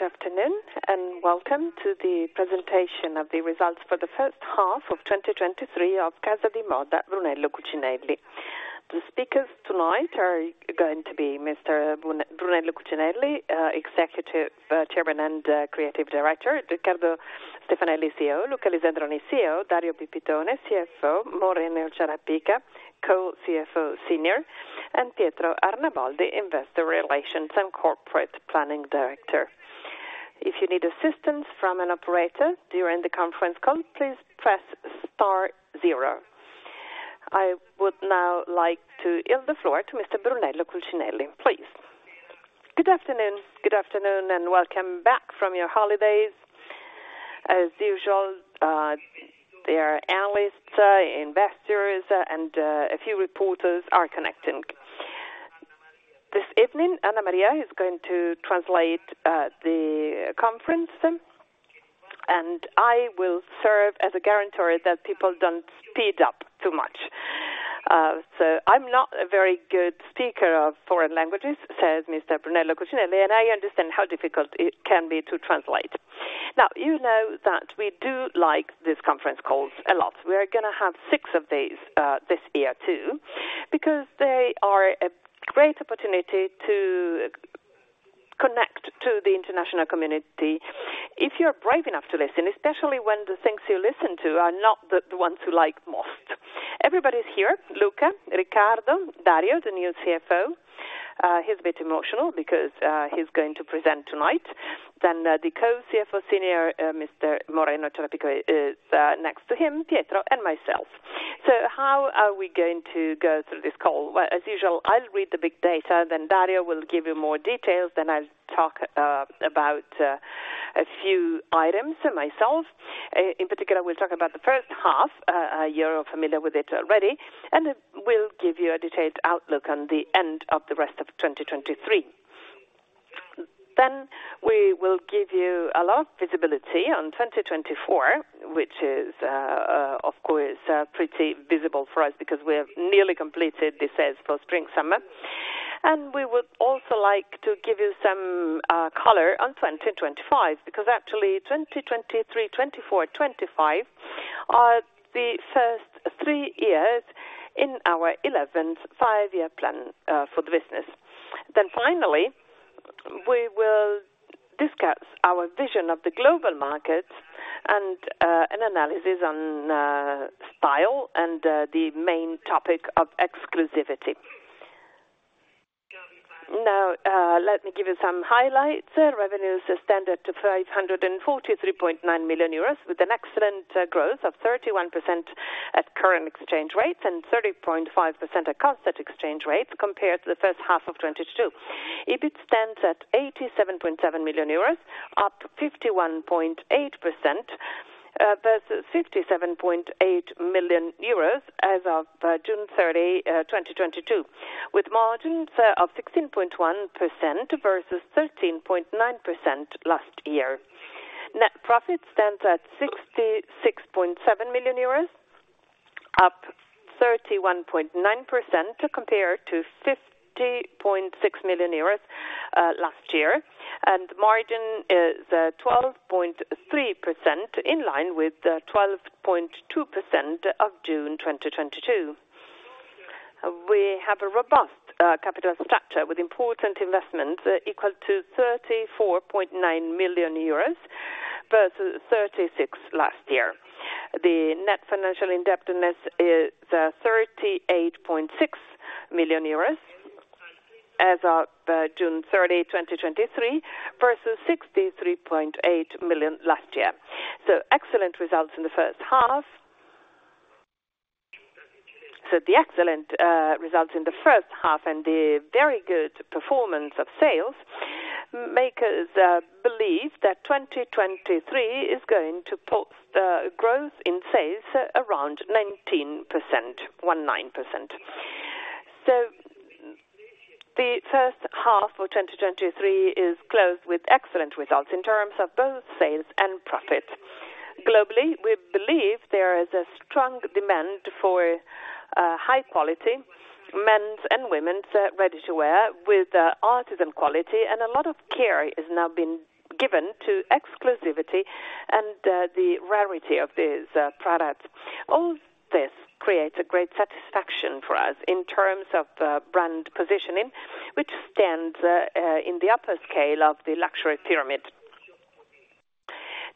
Good afternoon, and welcome to the presentation of the results for the first half of 2023 of Casa di Moda Brunello Cucinelli. The speakers tonight are going to be Mr. Brunello Cucinelli, Executive Chairman and Creative Director, Riccardo Stefanelli, CEO, Luca Lisandroni, CEO, Dario Pipitone, CFO, Moreno Ciarapica, Co-CFO Senior, and Pietro Arnaboldi, Investor Relations and Corporate Planning Director. If you need assistance from an operator during the conference call, please press star zero. I would now like to yield the floor to Mr. Brunello Cucinelli, please. Good afternoon. Good afternoon, and welcome back from your holidays. As usual, there are analysts, investors, and a few reporters are connecting. This evening, Anna Maria is going to translate the conference, and I will serve as a guarantor that people don't speed up too much. So I'm not a very good speaker of foreign languages, says Mr. Brunello Cucinelli, and I understand how difficult it can be to translate. Now, you know that we do like these conference calls a lot. We are gonna have six of these this year, too, because they are a great opportunity to connect to the international community. If you're brave enough to listen, especially when the things you listen to are not the ones you like most. Everybody's here, Luca, Riccardo, Dario, the new CFO. He's a bit emotional because he's going to present tonight. Then the Senior Co-CFO, Mr. Moreno Ciarapica, is next to him, Pietro, and myself. So how are we going to go through this call? Well, as usual, I'll read the big data, then Dario will give you more details, then I'll talk about a few items myself. In particular, we'll talk about the first half, you're familiar with it already, and we'll give you a detailed outlook on the end of the rest of 2023. Then we will give you a lot of visibility on 2024, which is, of course, pretty visible for us because we have nearly completed the sales for spring/summer. We would also like to give you some color on 2025, because actually 2023, 2024, 2025 are the first three years in our 11th five-year plan for the business. Then finally, we will discuss our vision of the global market and an analysis on style and the main topic of exclusivity. Now let me give you some highlights. Revenues are stated at 543.9 million euros, with an excellent growth of 31% at current exchange rates and 30.5% at constant exchange rates compared to the first half of 2022. EBIT stands at 87.7 million euros, up 51.8% versus 57.8 million euros as of June 30, 2022, with margins of 16.1% versus 13.9% last year. Net profit stands at 66.7 million euros, up 31.9% compared to 50.6 million euros last year, and the margin is 12.3%, in line with the 12.2% of June 2022. We have a robust capital structure with important investments equal to 34.9 million euros versus 36 million last year. The net financial indebtedness is 38.6 million euros as of June 30, 2023, versus 63.8 million last year. So excellent results in the first half. So the excellent results in the first half and the very good performance of sales make us believe that 2023 is going to post growth in sales around 19%, 19%. So the first half of 2023 is closed with excellent results in terms of both sales and profit. Globally, we believe there is a strong demand for high quality men's and women's ready-to-wear with artisan quality, and a lot of care is now being given to exclusivity and the rarity of these products. All this creates a great satisfaction for us in terms of brand positioning, which stands in the upper scale of the luxury pyramid.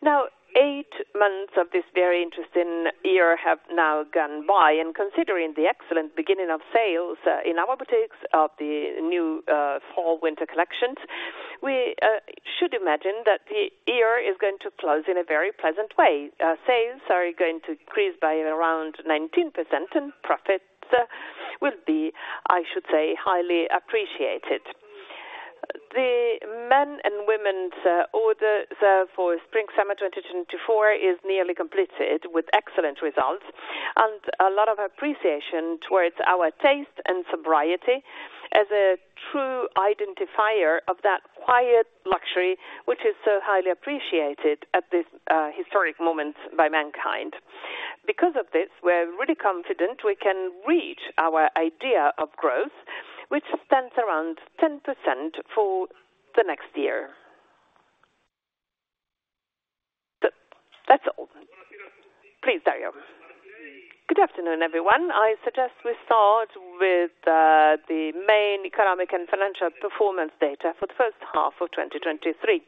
Now, eight months of this very interesting year have now gone by, and considering the excellent beginning of sales in our boutiques of the new fall/winter collections, we should imagine that the year is going to close in a very pleasant way. Sales are going to increase by around 19%, and profits will be, I should say, highly appreciated. The men and women's orders for spring/summer 2024 is nearly completed with excellent results and a lot of appreciation towards our taste and sobriety as a true identifier of that quiet luxury, which is so highly appreciated at this historic moment by mankind. Because of this, we're really confident we can reach our idea of growth, which stands around 10% for the next year. That's all. Please, Dario. Good afternoon, everyone. I suggest we start with the main economic and financial performance data for the first half of 2023.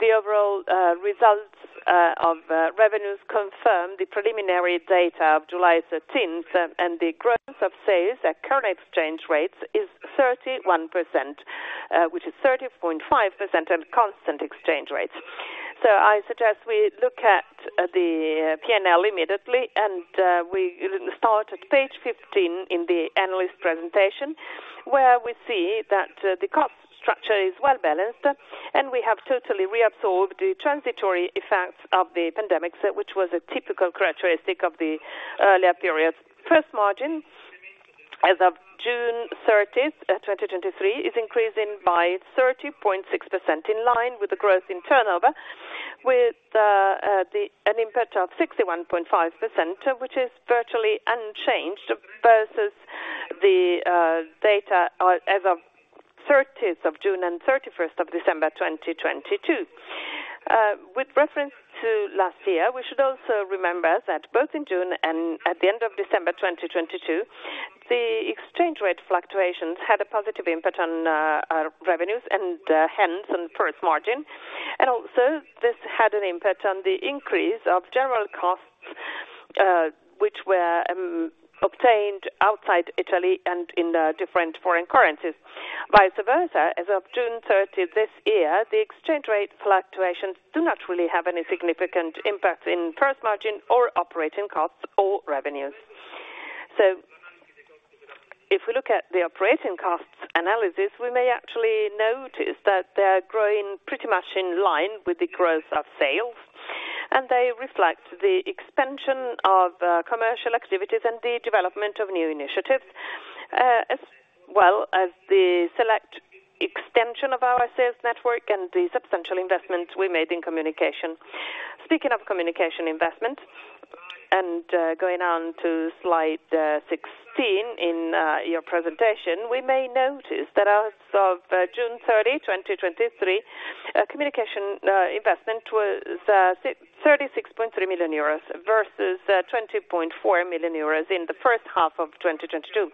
The overall results of revenues confirm the preliminary data of July 13th, and the growth of sales at current exchange rates is 31%, which is 30.5% at constant exchange rates. So I suggest we look at the P&L immediately, and we start at page 15 in the analyst presentation, where we see that the cost structure is well balanced, and we have totally reabsorbed the transitory effects of the pandemic, which was a typical characteristic of the earlier period. First margin, as of June 30th, 2023, is increasing by 30.6%, in line with the growth in turnover, with an impact of 61.5%, which is virtually unchanged versus the data as of June 30th and December 31st, 2022. With reference to last year, we should also remember that both in June and at the end of December 2022, the exchange rate fluctuations had a positive impact on our revenues and hence on first margin. Also, this had an impact on the increase of general costs, which were obtained outside Italy and in different foreign currencies. Vice versa, as of June 30th this year, the exchange rate fluctuations do not really have any significant impact in first margin or operating costs or revenues. If we look at the operating costs analysis, we may actually notice that they are growing pretty much in line with the growth of sales, and they reflect the expansion of commercial activities and the development of new initiatives, as well as the select extension of our sales network and the substantial investments we made in communication. Speaking of communication investment, and going on to slide 16 in your presentation, we may notice that as of June 30, 2023, communication investment was 36.3 million euros versus 20.4 million euros in the first half of 2022,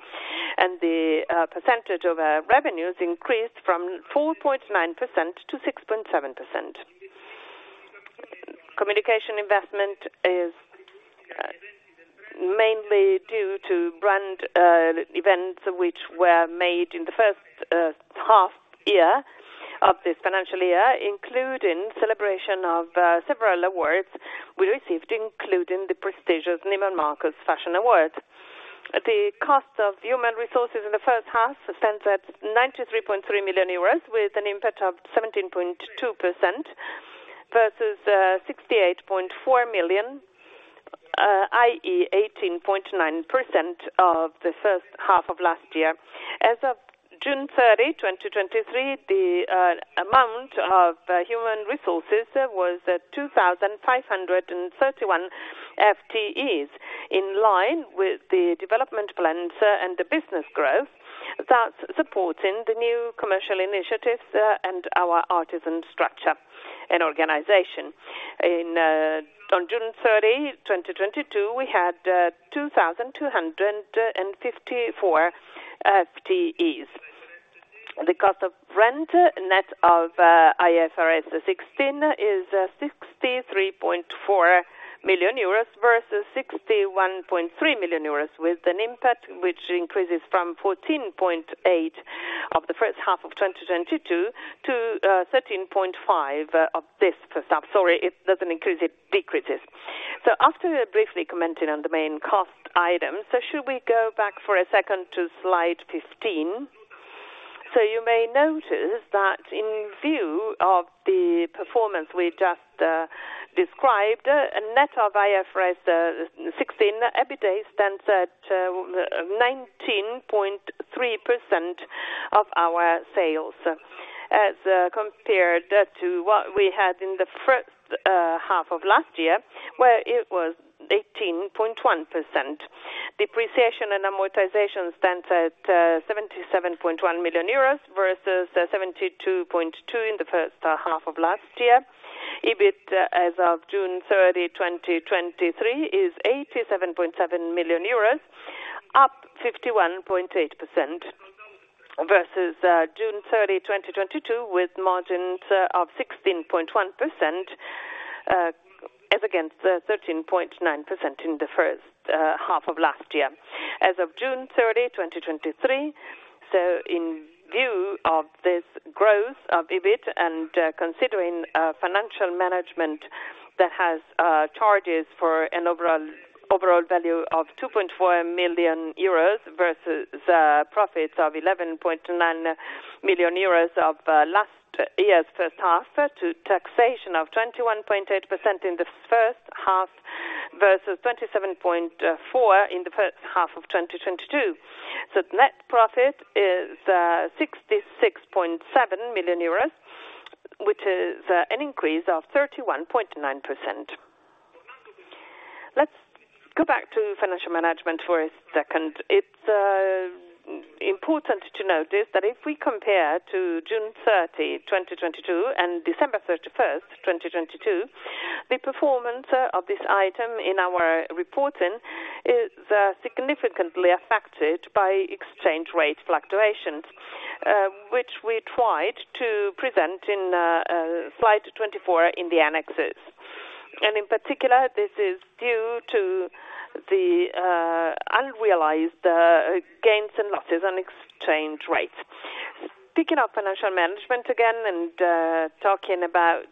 and the percentage of revenues increased from 4.9% to 6.7%. Communication investment is mainly due to brand events which were made in the first half year of this financial year, including celebration of several awards we received, including the prestigious Neiman Marcus Fashion Awards. The cost of human resources in the first half stands at 93.3 million euros, with an impact of 17.2%, versus 68.4 million, i.e., 18.9% of the first half of last year. As of June 30, 2023, the amount of human resources was at 2,531 FTEs, in line with the development plans and the business growth that's supporting the new commercial initiatives and our artisan structure and organization. In on June 30, 2022, we had 2,254 FTEs. The cost of rent, net of IFRS 16, is 63.4 million euros versus 61.3 million euros, with an impact which increases from 14.8% of the first half of 2022 to 13.5% of this first half. Sorry, it doesn't increase, it decreases. So after briefly commenting on the main cost items, so should we go back for a second to slide 15? So you may notice that in view of the performance we just described, net of IFRS 16, EBITDA stands at 19.3% of our sales, as compared to what we had in the first half of last year, where it was 18.1%. Depreciation and amortization stands at 77.1 million euros versus 72.2 in the first half of last year. EBIT, as of June 30, 2023, is 87.7 million euros, up 51.8%, versus June 30, 2022, with margins of 16.1%, as against 13.9% in the first half of last year. As of June 30, 2023, so in view of this growth of EBIT and considering financial management that has charges for an overall value of 2.4 million euros, versus profits of 11.9 million euros of last year's first half, to taxation of 21.8% in the first half, versus 27.4% in the first half of 2022. So net profit is 66.7 million euros, which is an increase of 31.9%. Let's go back to financial management for a second. It's important to notice that if we compare to June 30, 2022, and December 31st, 2022, the performance of this item in our reporting is significantly affected by exchange rate fluctuations, which we tried to present in slide 24 in the annexes. In particular, this is due to the unrealized gains and losses on exchange rates. Picking up financial management again and talking about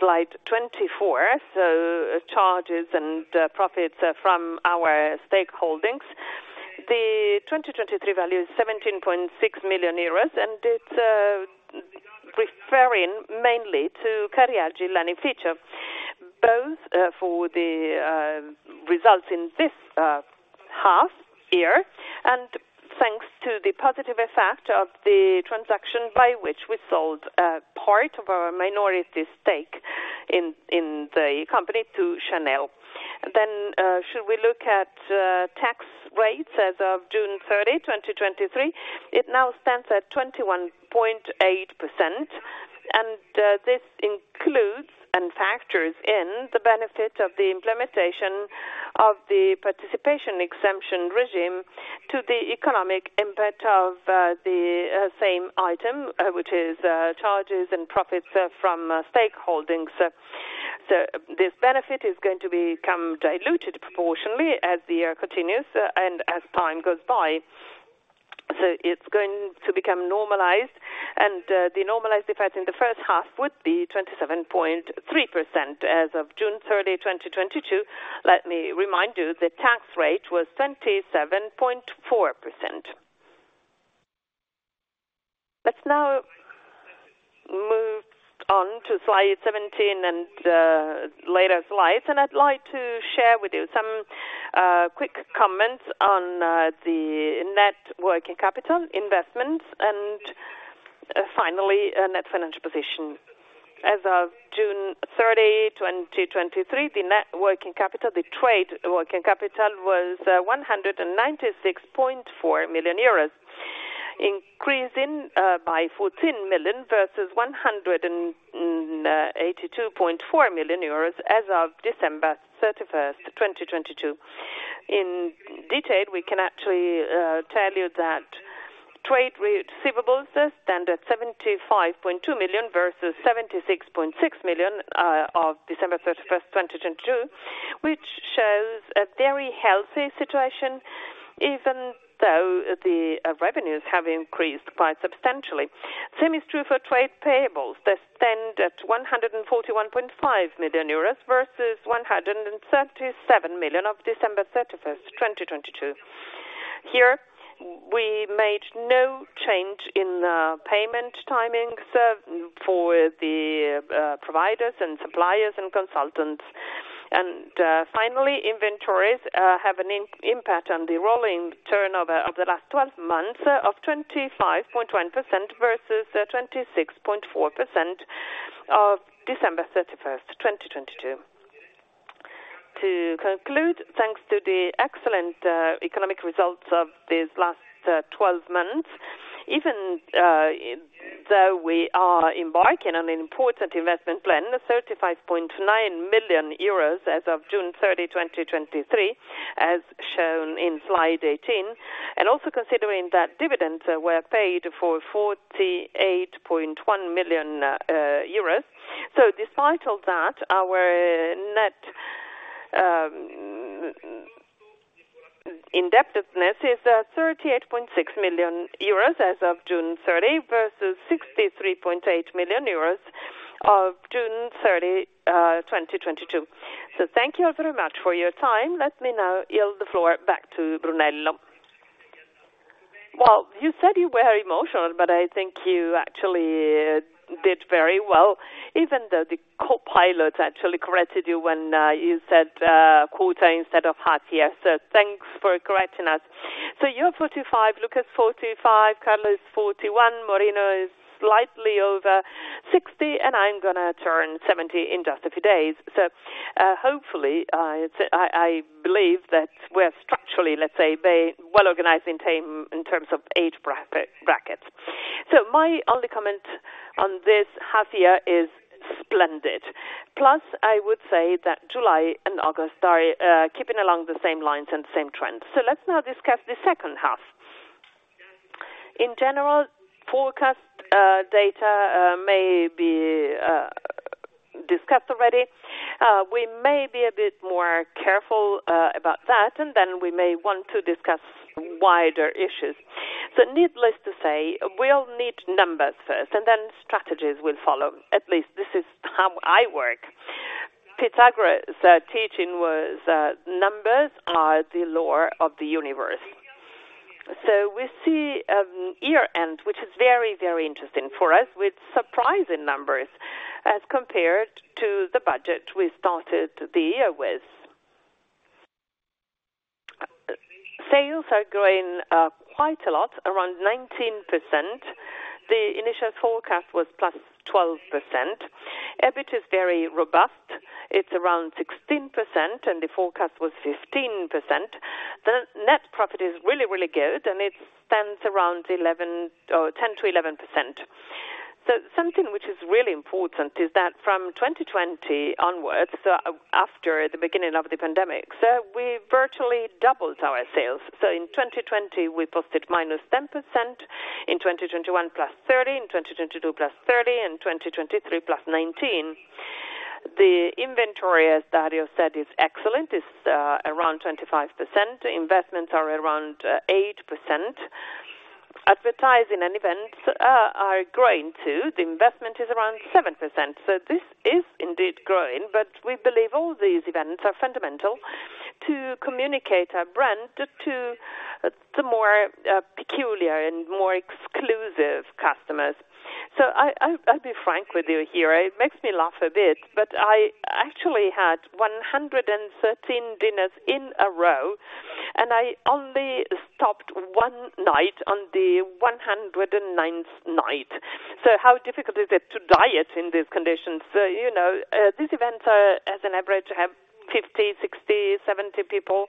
slide 24, so charges and profits from our stake holdings. The 2023 value is 17.6 million euros, and it's referring mainly to Cariaggi Lanificio, both for the results in this half year, and thanks to the positive effect of the transaction by which we sold part of our minority stake in the company to Chanel. Then, should we look at tax rates as of June 30, 2023, it now stands at 21.8%, and this includes and factors in the benefit of the implementation of the participation exemption regime to the economic impact of the same item, which is charges and profits from stake holdings. So this benefit is going to become diluted proportionally as the year continues and as time goes by. So it's going to become normalized, and the normalized effect in the first half would be 27.3%. As of June 30, 2022, let me remind you, the tax rate was 27.4%. Let's now move on to slide 17 and later slides, and I'd like to share with you some quick comments on the net working capital, investments, and finally, a net financial position. As of June 30, 2023, the net working capital, the trade working capital, was 196.4 million euros, increasing by 14 million versus 182.4 million euros as of December 31st, 2022. In detail, we can actually tell you that trade receivables stand at 75.2 million versus 76.6 million of December 31st, 2022, which shows a very healthy situation, even though the revenues have increased quite substantially. Same is true for trade payables. They stand at 141.5 million euros versus 137 million of December 31st, 2022. Here, we made no change in payment timing, so for the providers and suppliers and consultants. Finally, inventories have an impact on the rolling turnover of the last twelve months of 25.1% versus 26.4% of December 31st, 2022. To conclude, thanks to the excellent economic results of these last 12 months, even though we are embarking on an important investment plan, 35.9 million euros as of June 30, 2023, as shown in slide 18, and also considering that dividends were paid for 48.1 million euros. Despite all that, our net indebtedness is 38.6 million euros as of June 30 versus 63.8 million euros of June 30, 2022. Thank you all very much for your time. Let me now yield the floor back to Brunello. Well, you said you were emotional, but I think you actually did very well, even though the co-pilot actually corrected you when you said quota instead of half year. So thanks for correcting us. So you're 45, Luca is 45, Carlos is 41, Marino is slightly over 60, and I'm going to turn 70 in just a few days. So hopefully I believe that we're structurally, let's say, very well organized in team in terms of age brackets. So my only comment on this half year is splendid. Plus, I would say that July and August are keeping along the same lines and same trends. So let's now discuss the second half. In general, forecast data may be discussed already. We may be a bit more careful about that, and then we may want to discuss wider issues. So needless to say, we'll need numbers first, and then strategies will follow. At least this is how I work. Pythagoras teaching was numbers are the law of the universe. So we see year-end, which is very, very interesting for us, with surprising numbers as compared to the budget we started the year with. Sales are growing quite a lot, around 19%. The initial forecast was +12%. EBIT is very robust, it's around 16%, and the forecast was 15%. The net profit is really, really good, and it stands around 10%-11%. So something which is really important is that from 2020 onwards, so after the beginning of the pandemic, so we virtually doubled our sales. So in 2020, we posted -10%. In 2021, +30%, in 2022, +30%, in 2023, +19%. The inventory, as Dario said, is excellent, it's around 25%. Investments are around 8%. Advertising and events are growing, too. The investment is around 7%. So this is indeed growing, but we believe all these events are fundamental to communicate our brand to more peculiar and more exclusive customers. So I, I'll be frank with you here. It makes me laugh a bit, but I actually had 113 dinners in a row, and I only stopped one night on the 109th night. So how difficult is it to diet in these conditions? So, you know, these events are, as an average, have 50, 60, 70 people,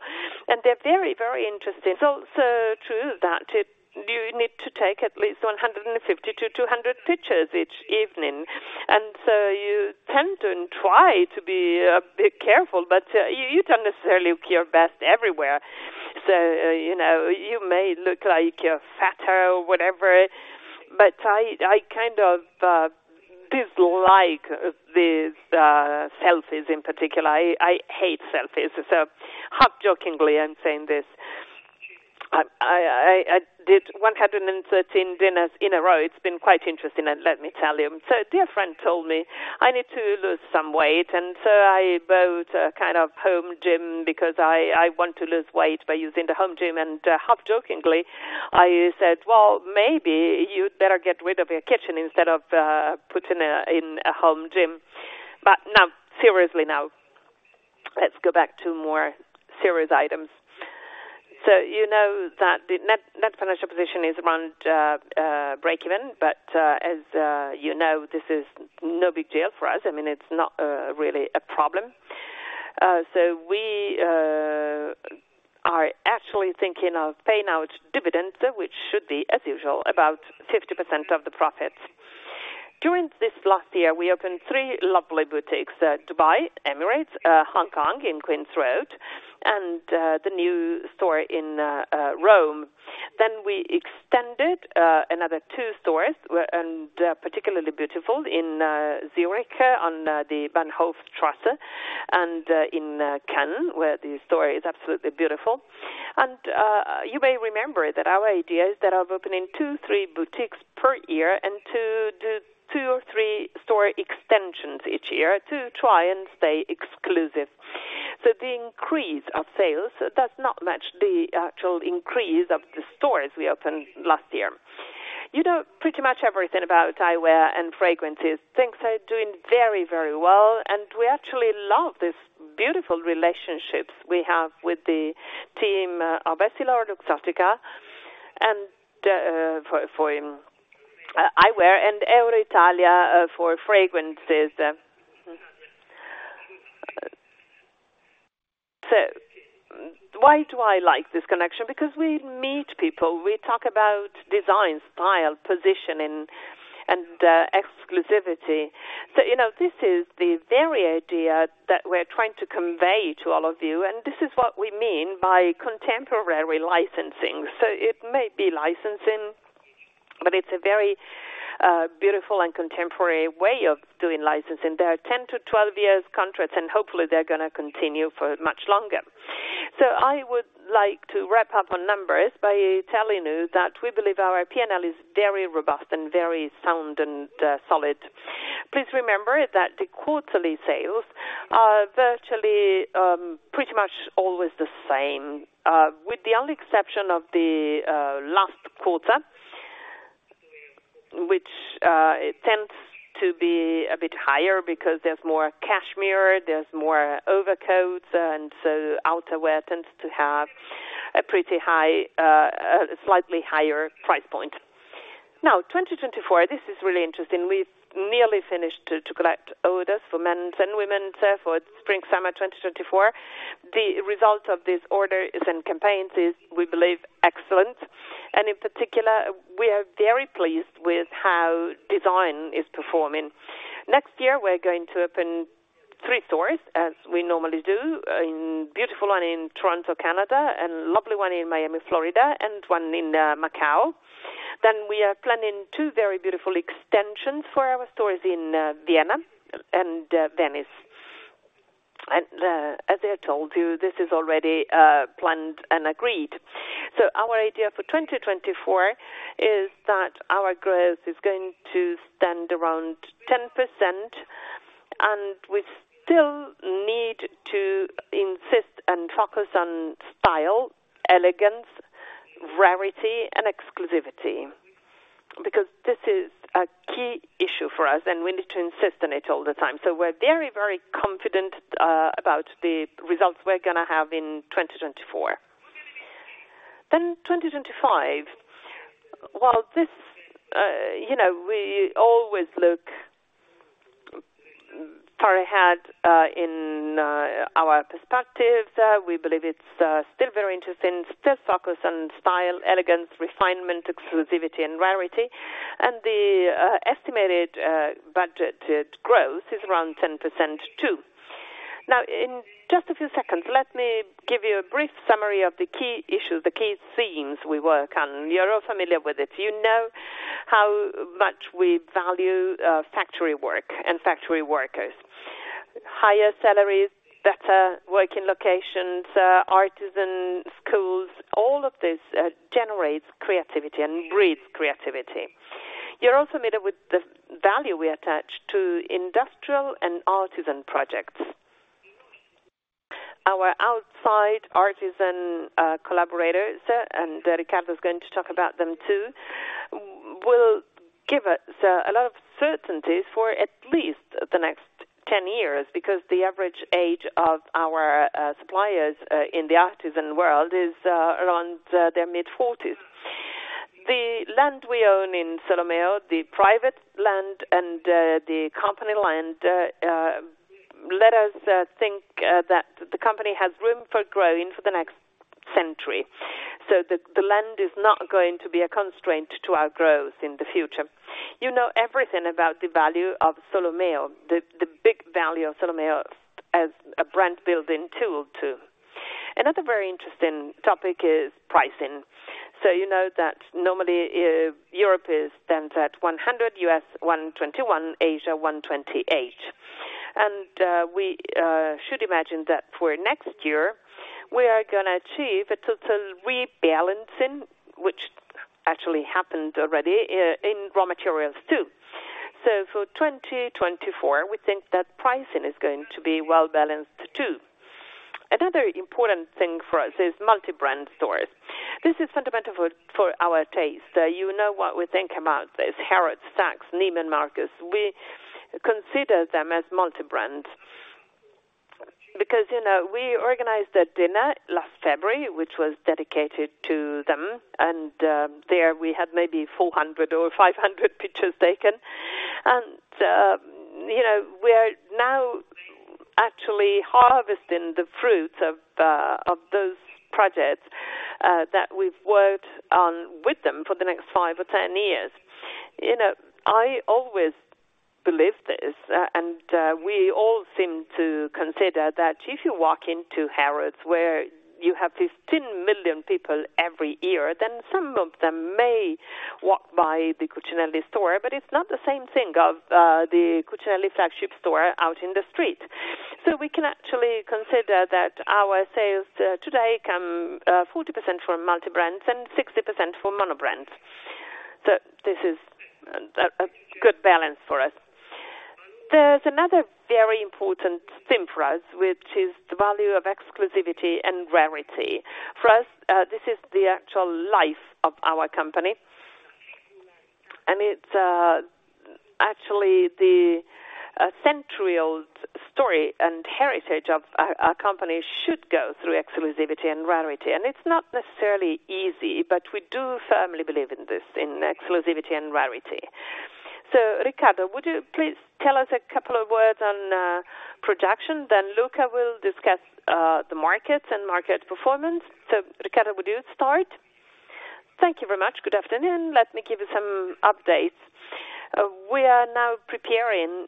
and they're very, very interesting. So, so true that you need to take at least 150-200 pictures each evening, and so you tend to try to be a bit careful, but, you don't necessarily look your best everywhere. So, you know, you may look like you're fatter or whatever, but I kind of dislike these selfies in particular. I hate selfies. So half jokingly, I'm saying this, I did 113 dinners in a row. It's been quite interesting, and let me tell you. So a dear friend told me, I need to lose some weight, and so I bought a kind of home gym because I want to lose weight by using the home gym. Half jokingly, I said, "Well, maybe you'd better get rid of your kitchen instead of putting in a home gym." But now, seriously, now, let's go back to more serious items. So you know that the net, net financial position is around breakeven, but as you know, this is no big deal for us. I mean, it's not really a problem. So we are actually thinking of paying out dividends, which should be, as usual, about 50% of the profits. During this last year, we opened three lovely boutiques, Dubai, Emirates, Hong Kong, in Queen's Road, and the new store in Rome. Then we extended another two stores, and particularly beautiful in Zurich, on the Bahnhofstrasse and in Cannes, where the store is absolutely beautiful. You may remember that our idea is that of opening two-three boutiques per year and two-three store extensions each year to try and stay exclusive. So the increase of sales does not match the actual increase of the stores we opened last year. You know, pretty much everything about eyewear and fragrances. Things are doing very, very well, and we actually love this beautiful relationships we have with the team of EssilorLuxottica, and for eyewear and Euroitalia for fragrances. So why do I like this connection? Because we meet people, we talk about design, style, positioning, and exclusivity. So, you know, this is the very idea that we're trying to convey to all of you, and this is what we mean by contemporary licensing. So it may be licensing, but it's a very beautiful and contemporary way of doing licensing. There are 10- to 12-year contracts, and hopefully, they're going to continue for much longer. So I would like to wrap up on numbers by telling you that we believe our P&L is very robust and very sound and solid. Please remember that the quarterly sales are virtually pretty much always the same, with the only exception of the last quarter, which it tends to be a bit higher because there's more cashmere, there's more overcoats, and so outerwear tends to have a pretty high slightly higher price point. Now, 2024, this is really interesting. We've nearly finished to collect orders for men's and women's for spring summer 2024. The result of these orders and campaigns is, we believe, excellent. In particular, we are very pleased with how design is performing. Next year, we're going to open three stores, as we normally do, in beautiful one in Toronto, Canada, and lovely one in Miami, Florida, and one in Macau. We are planning two very beautiful extensions for our stores in Vienna and Venice. As I told you, this is already planned and agreed. Our idea for 2024 is that our growth is going to stand around 10%, and we still need to insist and focus on style, elegance, rarity, and exclusivity. Because this is a key issue for us, and we need to insist on it all the time. We're very, very confident about the results we're gonna have in 2024. Then 2025, well, this, you know, we always look far ahead in our perspectives. We believe it's still very interesting, still focused on style, elegance, refinement, exclusivity, and rarity, and the estimated budgeted growth is around 10%, too. Now, in just a few seconds, let me give you a brief summary of the key issues, the key themes we work on. You're all familiar with it. You know how much we value factory work and factory workers. Higher salaries, better working locations, artisan schools, all of this generates creativity and breeds creativity. You're also familiar with the value we attach to industrial and artisan projects. Our outside artisan collaborators, and Riccardo is going to talk about them, too, will give us a lot of certainties for at least the next 10 years, because the average age of our suppliers in the artisan world is around their mid-40s. The land we own in Solomeo, the private land and the company land, let us think that the company has room for growing for the next century. So the land is not going to be a constraint to our growth in the future. You know everything about the value of Solomeo, the big value of Solomeo as a brand building tool, too. Another very interesting topic is pricing. So you know that normally Europe is then at 100, U.S. 121, Asia 128. We should imagine that for next year, we are gonna achieve a total rebalancing, which actually happened already in raw materials, too. So for 2024, we think that pricing is going to be well balanced, too. Another important thing for us is multi-brand stores. This is fundamental for our taste. You know what we think about this. Harrods, Saks, Neiman Marcus, we consider them as multi-brand. Because, you know, we organized a dinner last February, which was dedicated to them, and there we had maybe 400 or 500 pictures taken. You know, we're now actually harvesting the fruits of those projects that we've worked on with them for the next five or 10 years. You know, I always believe this, and we all seem to consider that if you walk into Harrods, where you have 15 million people every year, then some of them may walk by the Cucinelli store, but it's not the same thing of the Cucinelli flagship store out in the street. So we can actually consider that our sales today come 40% from multi-brand and 60% from mono-brand. So this is a good balance for us. There's another very important thing for us, which is the value of exclusivity and rarity. For us, this is the actual life of our company, and it's actually the century-old story and heritage of our company should go through exclusivity and rarity. And it's not necessarily easy, but we do firmly believe in this, in exclusivity and rarity. So, Riccardo, would you please tell us a couple of words on, production? Then Luca will discuss, the markets and market performance. So, Riccardo, would you start? Thank you very much. Good afternoon. Let me give you some updates. We are now preparing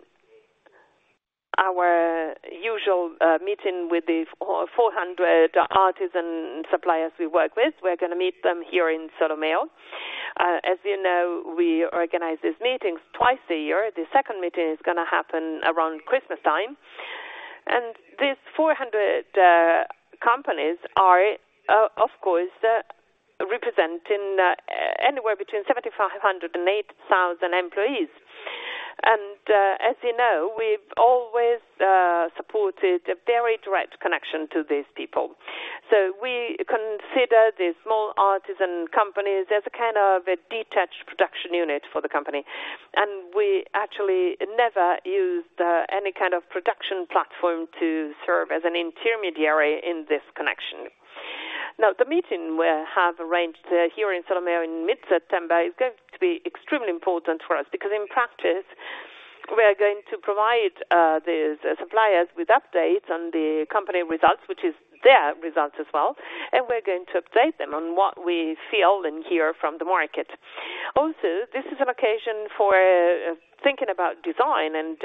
our usual, meeting with the 400 artisan suppliers we work with. We're gonna meet them here in Solomeo. As you know, we organize these meetings twice a year. The second meeting is gonna happen around Christmas time, and these 400, companies are, of course, representing, anywhere between 7,500 and 8,000 employees. And, as you know, we've always, supported a very direct connection to these people. So we consider the small artisan companies as a kind of a detached production unit for the company, and we actually never used any kind of production platform to serve as an intermediary in this connection. Now, the meeting we have arranged here in Solomeo in mid-September is going to be extremely important for us, because in practice, we are going to provide the suppliers with updates on the company results, which is their results as well, and we're going to update them on what we feel and hear from the market. Also, this is an occasion for thinking about design and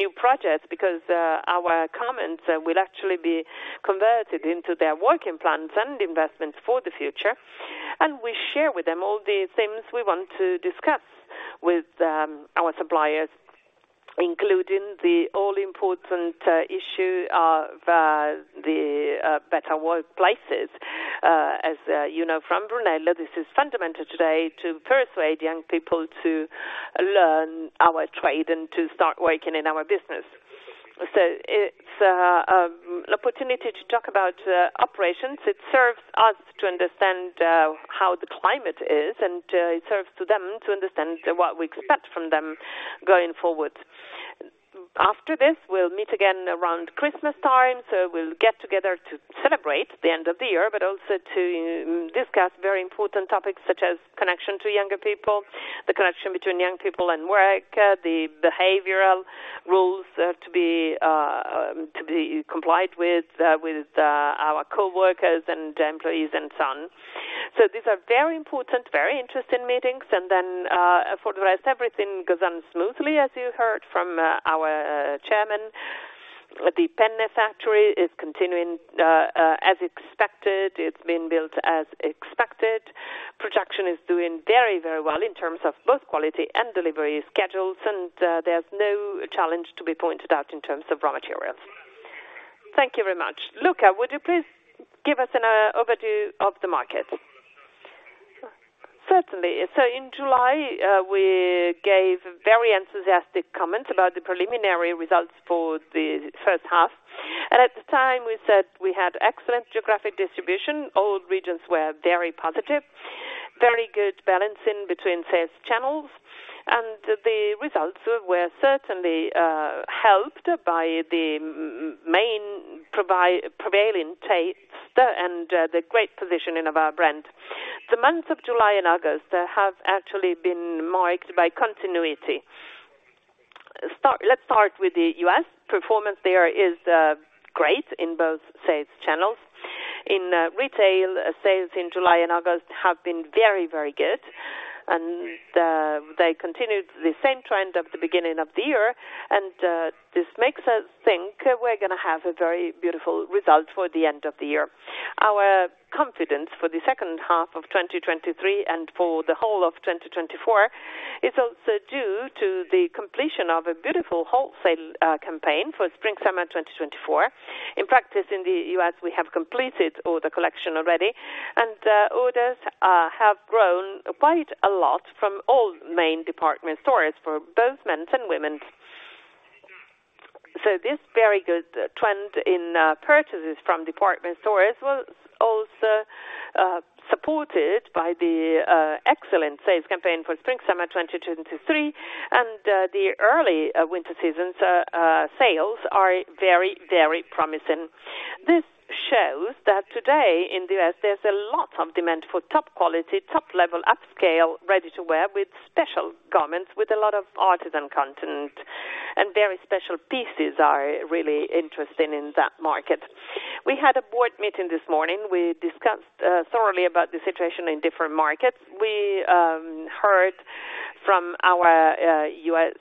new projects, because our comments will actually be converted into their working plans and investments for the future. We share with them all the things we want to discuss with our suppliers, including the all-important issue of the better workplaces. As you know, from Brunello, this is fundamental today to persuade young people to learn our trade and to start working in our business. So it's an opportunity to talk about operations. It serves us to understand how the climate is, and it serves to them to understand what we expect from them going forward. After this, we'll meet again around Christmas time, so we'll get together to celebrate the end of the year, but also to discuss very important topics such as connection to younger people, the connection between young people and work, the behavioral rules to be to be complied with with our coworkers and employees, and son. So these are very important, very interesting meetings. And then, for the rest, everything goes on smoothly, as you heard from our chairman. The Penne factory is continuing, as expected. It's been built as expected. Production is doing very, very well in terms of both quality and delivery schedules, and there's no challenge to be pointed out in terms of raw materials. Thank you very much. Luca, would you please give us an overview of the market? Certainly. So in July, we gave very enthusiastic comments about the preliminary results for the first half, and at the time, we said we had excellent geographic distribution. All regions were very positive, very good balancing between sales channels, and the results were certainly helped by the prevailing taste and the great positioning of our brand. The months of July and August have actually been marked by continuity. Let's start with the U.S. Performance there is great in both sales channels. In retail, sales in July and August have been very, very good, and they continued the same trend of the beginning of the year, and this makes us think we're gonna have a very beautiful result for the end of the year. Our confidence for the second half of 2023 and for the whole of 2024 is also due to the completion of a beautiful wholesale campaign for spring summer 2024. In practice, in the U.S., we have completed all the collection already, and orders have grown quite a lot from all main department stores for both men's and women's. So this very good trend in purchases from department stores was also supported by the excellent sales campaign for spring summer 2023, and the early winter season's sales are very, very promising. This shows that today in the U.S., there's a lot of demand for top quality, top-level, upscale, ready-to-wear, with special garments, with a lot of artisan content, and very special pieces are really interesting in that market. We had a board meeting this morning. We discussed thoroughly about the situation in different markets. We heard from our U.S.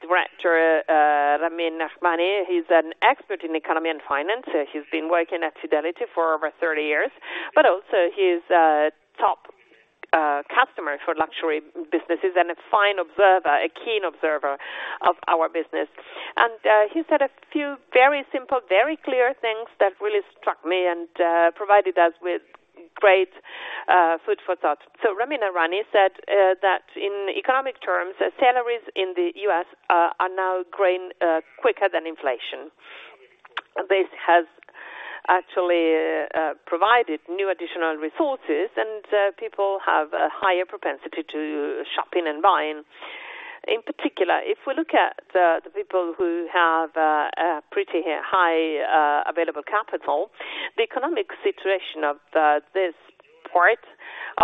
director, Ramin Arani. He's an expert in economy and finance. He's been working at Fidelity for over 30 years, but also he's a top customer for luxury businesses and a fine observer, a keen observer of our business. He said a few very simple, very clear things that really struck me and provided us with great food for thought. So Ramin Arani said that in economic terms, salaries in the U.S. are now growing quicker than inflation. This has actually provided new additional resources, and people have a higher propensity to shopping and buying. In particular, if we look at the people who have a pretty high available capital, the economic situation of this part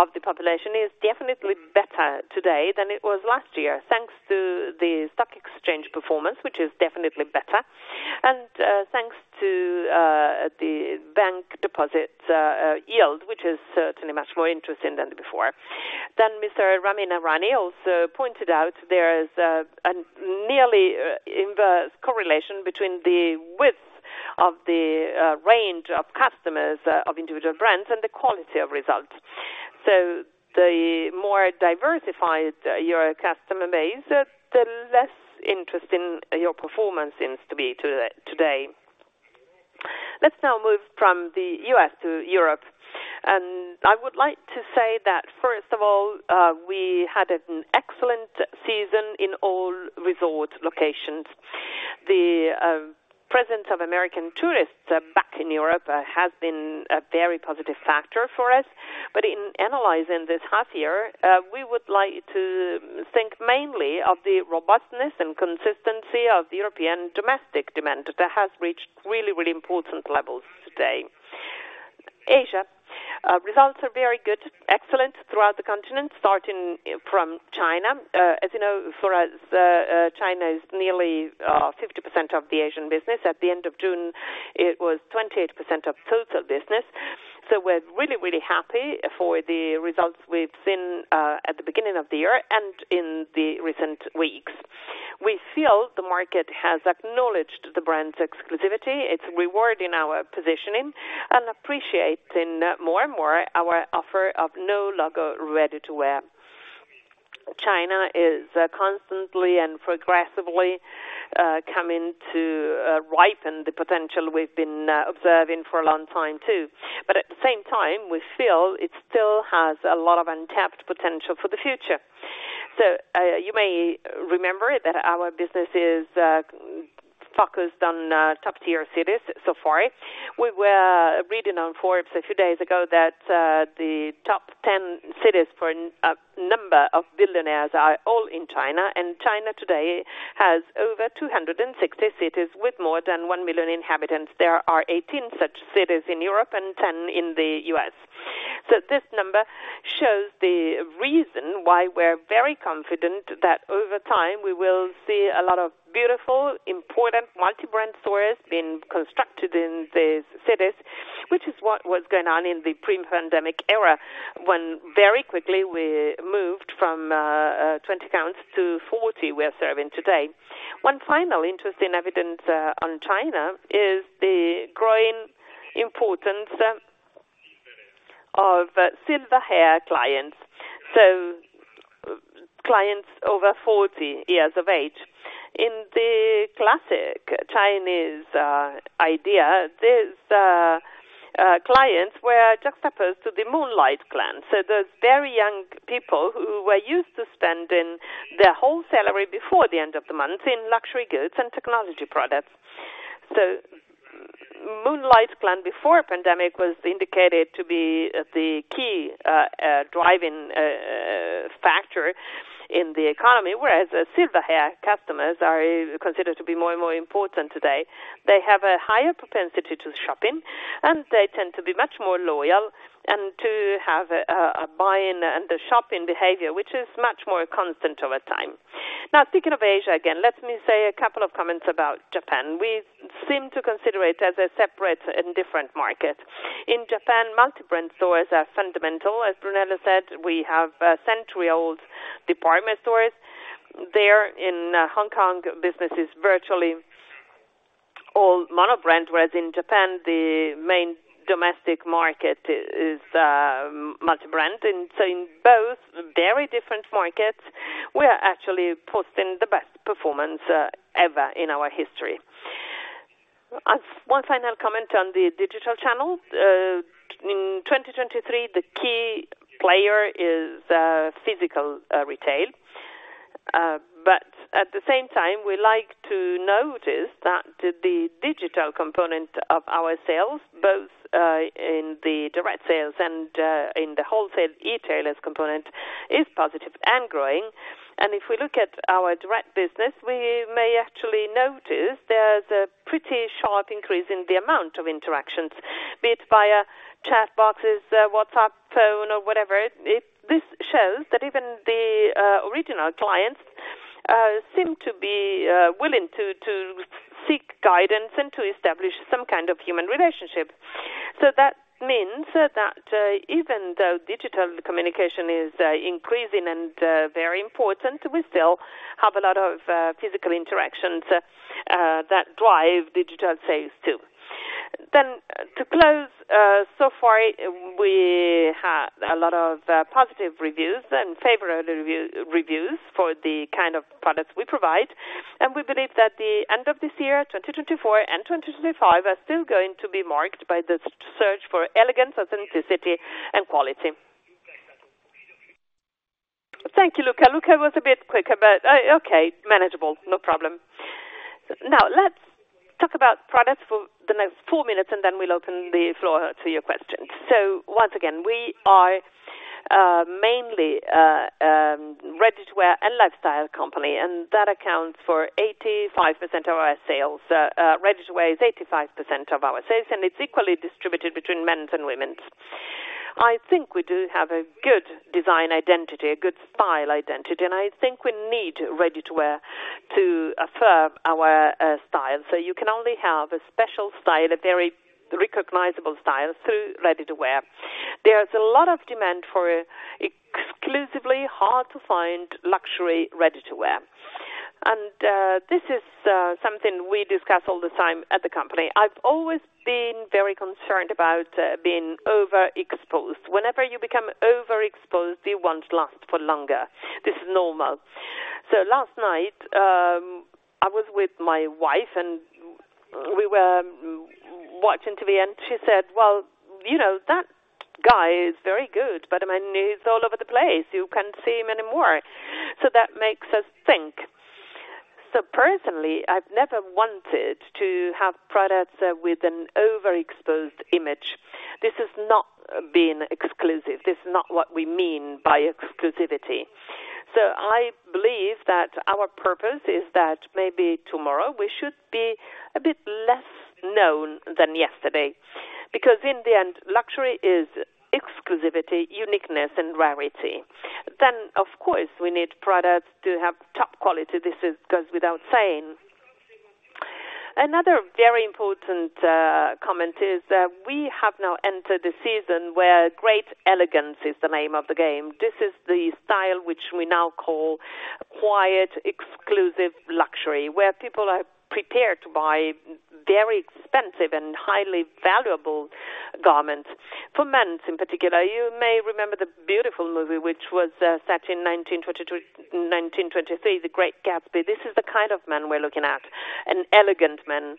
of the population is definitely better today than it was last year, thanks to the stock exchange performance, which is definitely better, and thanks to the bank deposit yield, which is certainly much more interesting than before. Then Mr. Ramin Arani also pointed out there is a nearly inverse correlation between the width of the range of customers of individual brands and the quality of results. So the more diversified your customer base, the less interesting your performance seems to be today. Let's now move from the U.S. to Europe, and I would like to say that, first of all, we had an excellent season in all resort locations. The presence of American tourists back in Europe has been a very positive factor for us. But in analyzing this half year, we would like to think mainly of the robustness and consistency of the European domestic demand that has reached really, really important levels today. Asia results are very good, excellent throughout the continent, starting from China. As you know, for us, China is nearly 50% of the Asian business. At the end of June, it was 28% of total business, so we're really, really happy for the results we've seen at the beginning of the year and in the recent weeks. We feel the market has acknowledged the brand's exclusivity. It's rewarding our positioning and appreciating more and more our offer of no logo ready-to-wear. China is constantly and progressively coming to ripen the potential we've been observing for a long time, too. But at the same time, we feel it still has a lot of untapped potential for the future. So, you may remember that our business is focused on top-tier cities so far. We were reading on Forbes a few days ago that the top 10 cities for a number of billionaires are all in China, and China today has over 260 cities with more than 1 million inhabitants. There are 18 such cities in Europe and 10 in the U.S. So this number shows the reason why we're very confident that over time, we will see a lot of beautiful, important multi-brand stores being constructed in these cities, which is what was going on in the pre-pandemic era, when very quickly we moved from 20 counts to 40 we are serving today. One final interesting evidence on China is the growing importance of Silver Hair clients, so clients over 40 years of age. In the classic Chinese idea, these clients were juxtaposed to the Moonlight Clan. So those very young people who were used to spending their whole salary before the end of the month in luxury goods and technology products. So Moonlight Clan, before pandemic, was indicated to be the key, driving factor in the economy, whereas Silver Hair customers are considered to be more and more important today. They have a higher propensity to shopping, and they tend to be much more loyal and to have a buying and a shopping behavior, which is much more constant over time. Now, speaking of Asia again, let me say a couple of comments about Japan. We seem to consider it as a separate and different market. In Japan, multi-brand stores are fundamental. As Brunello said, we have century-old department stores there. In Hong Kong, business is virtually all mono-brand, whereas in Japan, the main domestic market is multi-brand. In both very different markets, we are actually posting the best performance ever in our history. As one final comment on the digital channel, in 2023, the key player is physical retail. But at the same time, we like to notice that the digital component of our sales, both in the direct sales and in the wholesale e-tailers component, is positive and growing. If we look at our direct business, we may actually notice there's a pretty sharp increase in the amount of interactions, be it via chat boxes, WhatsApp, phone, or whatever. This shows that even the original clients seem to be willing to seek guidance and to establish some kind of human relationship. So that means that, even though digital communication is increasing and very important, we still have a lot of physical interactions that drive digital sales, too. Then to close, so far, we have a lot of positive reviews and favorable review, reviews for the kind of products we provide, and we believe that the end of this year, 2024 and 2025, are still going to be marked by the search for elegance, authenticity, and quality. Thank you, Luca. Luca was a bit quicker, but okay, manageable. No problem. Now, let's talk about products for the next four minutes, and then we'll open the floor to your questions. So once again, we are mainly ready-to-wear and lifestyle company, and that accounts for 85% of our sales. Ready-to-wear is 85% of our sales, and it's equally distributed between men's and women's. I think we do have a good design identity, a good style identity, and I think we need ready-to-wear to affirm our style. So you can only have a special style, a very recognizable style, through ready-to-wear. There's a lot of demand for exclusively hard-to-find luxury ready-to-wear. And this is something we discuss all the time at the company. I've always been very concerned about being overexposed. Whenever you become overexposed, you won't last for longer. This is normal. So last night, I was with my wife, and we were watching TV, and she said, "Well, you know, that guy is very good, but, I mean, he's all over the place. You can't see him anymore." So that makes us think. So personally, I've never wanted to have products with an overexposed image. This is not being exclusive. This is not what we mean by exclusivity. So I believe that our purpose is that maybe tomorrow we should be a bit less known than yesterday, because in the end, luxury is exclusivity, uniqueness, and rarity. Then, of course, we need products to have top quality. This goes without saying. Another very important comment is that we have now entered a season where great elegance is the name of the game. This is the style which we now call quiet, exclusive luxury, where people are prepared to buy very expensive and highly valuable garments. For men's in particular, you may remember the beautiful movie, which was set in 1922, 1923, The Great Gatsby. This is the kind of men we're looking at, an elegant man.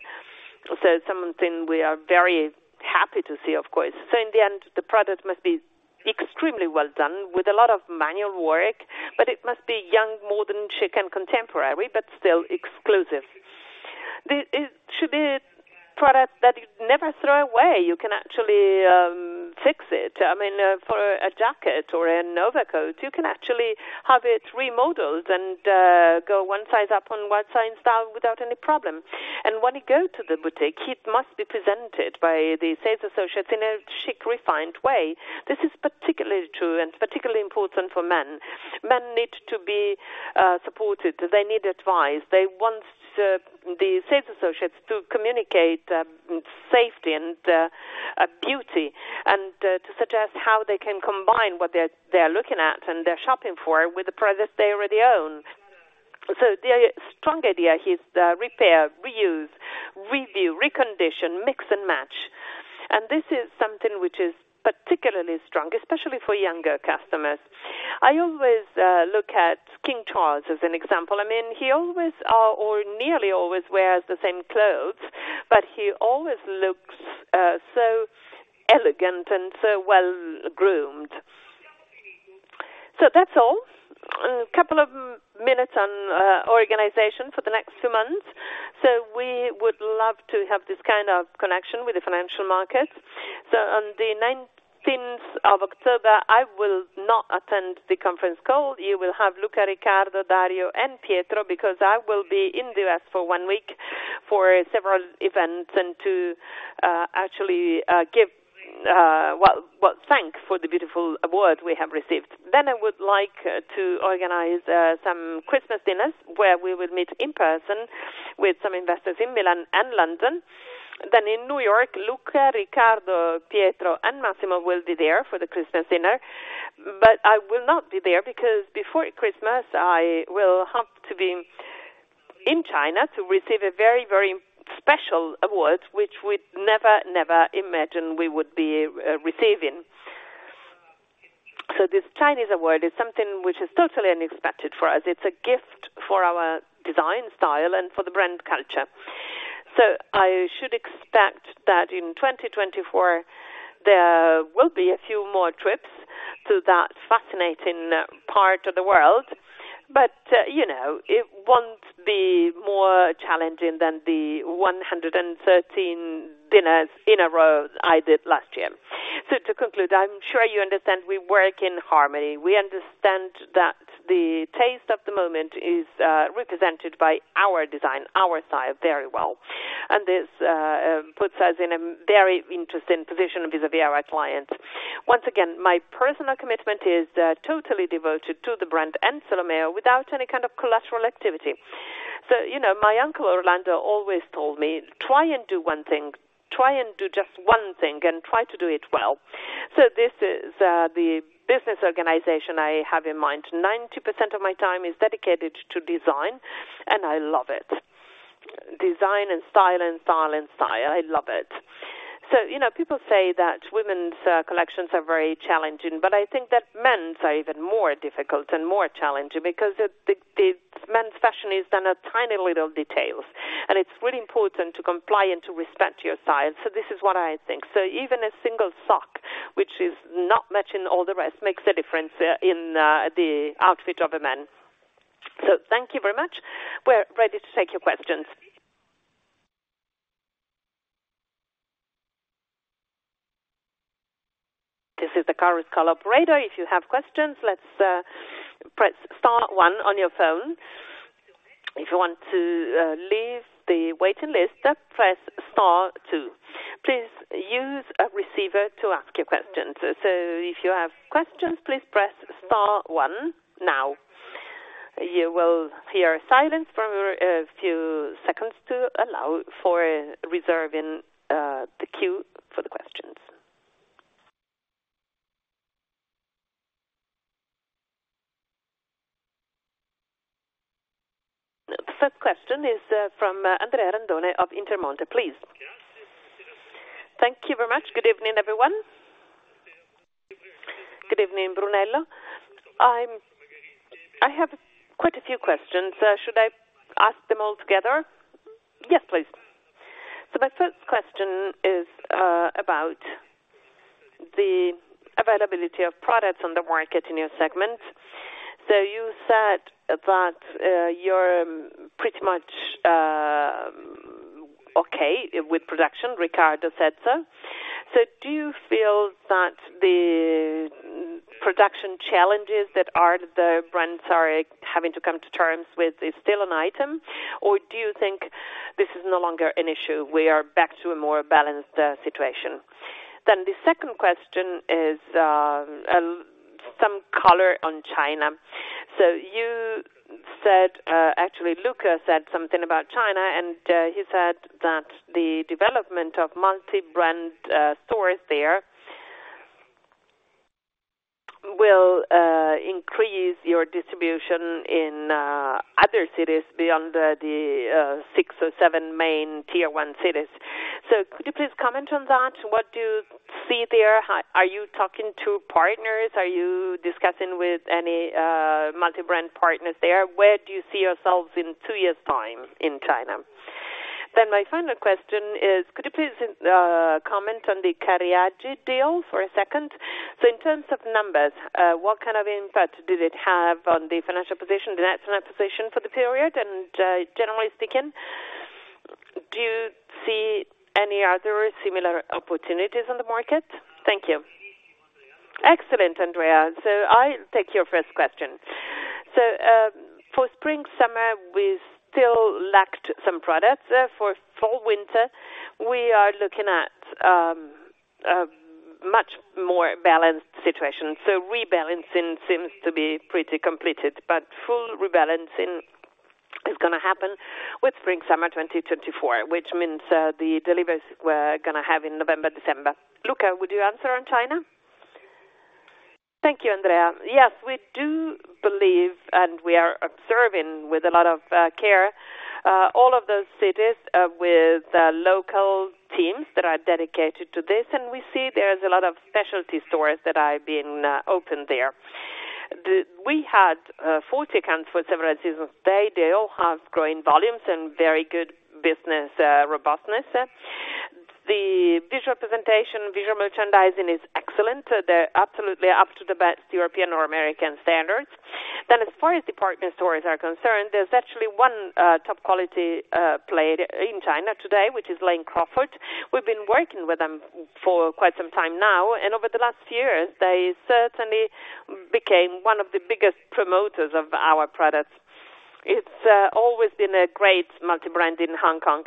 So something we are very happy to see, of course. So in the end, the product must be extremely well done with a lot of manual work, but it must be young, modern, chic, and contemporary, but still exclusive. It should be a product that you never throw away. You can actually fix it. I mean, for a jacket or an overcoat, you can actually have it remodeled and go one size up and one size down without any problem. And when you go to the boutique, it must be presented by the sales associates in a chic, refined way. This is particularly true and particularly important for men. Men need to be supported. They need advice. They want the sales associates to communicate safety and beauty, and to suggest how they can combine what they're looking at and they're shopping for with the products they already own. So the strong idea is repair, reuse, review, recondition, mix and match. And this is something which is particularly strong, especially for younger customers. I always look at King Charles as an example. I mean, he always or nearly always wears the same clothes, but he always looks so elegant and so well groomed. So that's all. A couple of minutes on organization for the next two months. So we would love to have this kind of connection with the financial market. So on the nineteenth of October, I will not attend the conference call. You will have Luca, Riccardo, Dario, and Pietro, because I will be in the U.S. for one week for several events and to actually give well well thank for the beautiful award we have received. Then I would like to organize some Christmas dinners, where we will meet in person with some investors in Milan and London. Then in New York, Luca, Riccardo, Pietro, and Massimo will be there for the Christmas dinner, but I will not be there because before Christmas, I will have to be in China to receive a very, very special award, which we'd never, never imagined we would be receiving. So this Chinese award is something which is totally unexpected for us. It's a gift for our design style and for the brand culture. So I should expect that in 2024, there will be a few more trips to that fascinating part of the world, but, you know, it won't be more challenging than the 113 dinners in a row I did last year. So to conclude, I'm sure you understand, we work in harmony. We understand that the taste of the moment is represented by our design, our style very well. And this puts us in a very interesting position vis-à-vis our clients. Once again, my personal commitment is totally devoted to the brand and Solomeo, without any kind of collateral activity. So, you know, my uncle Orlando always told me, "Try and do one thing. Try and do just one thing and try to do it well." So this is the business organization I have in mind. 90% of my time is dedicated to design, and I love it. Design and style and style and style. I love it. So, you know, people say that women's collections are very challenging, but I think that men's are even more difficult and more challenging because the men's fashion is done on tiny little details, and it's really important to comply and to respect your style. So this is what I think. So even a single sock, which is not matching all the rest, makes a difference in the outfit of a man. So thank you very much. We're ready to take your questions. This is the conference call operator. If you have questions, let's press star one on your phone. If you want to leave the waiting list, press star two. Please use a receiver to ask your questions. So if you have questions, please press star one now. You will hear silence for a few seconds to allow for reserving the queue for the questions. The first question is from Andrea Randone of Intermonte, please. Thank you very much. Good evening, everyone. Good evening, Brunello. I'm—I have quite a few questions. Should I ask them all together? Yes, please. So my first question is about the availability of products on the market in your segment. So you said that you're pretty much okay with production, Riccardo said so. So do you feel that the production challenges the brands are having to come to terms with is still an item? Or do you think this is no longer an issue, we are back to a more balanced situation? Then the second question is some color on China. So you said, actually, Luca said something about China, and he said that the development of multi-brand stores there will increase your distribution in other cities beyond the six or seven main tier one cities. So could you please comment on that? What do you see there? Are you talking to partners? Are you discussing with any multi-brand partners there? Where do you see yourselves in two years' time in China? Then my final question is, could you please comment on the Cariaggi deal for a second? So in terms of numbers, what kind of impact did it have on the financial position, the net position for the period? And generally speaking, do you see any other similar opportunities on the market? Thank you. Excellent, Andrea. So I take your first question. So, for spring, summer, we still lacked some products. For fall, winter, we are looking at a much more balanced situation. So rebalancing seems to be pretty completed, but full rebalancing is gonna happen with spring, summer 2024, which means the deliveries we're gonna have in November, December. Luca, would you answer on China? Thank you, Andrea. Yes, we do believe, and we are observing with a lot of care all of those cities with local teams that are dedicated to this. And we see there's a lot of specialty stores that have been opened there. We had 40 accounts for several seasons. They all have growing volumes and very good business robustness. The visual presentation, visual merchandising is excellent. They're absolutely up to the best European or American standards. Then, as far as department stores are concerned, there's actually one top quality player in China today, which is Lane Crawford. We've been working with them for quite some time now, and over the last years, they certainly became one of the biggest promoters of our products. It's always been a great multi-brand in Hong Kong.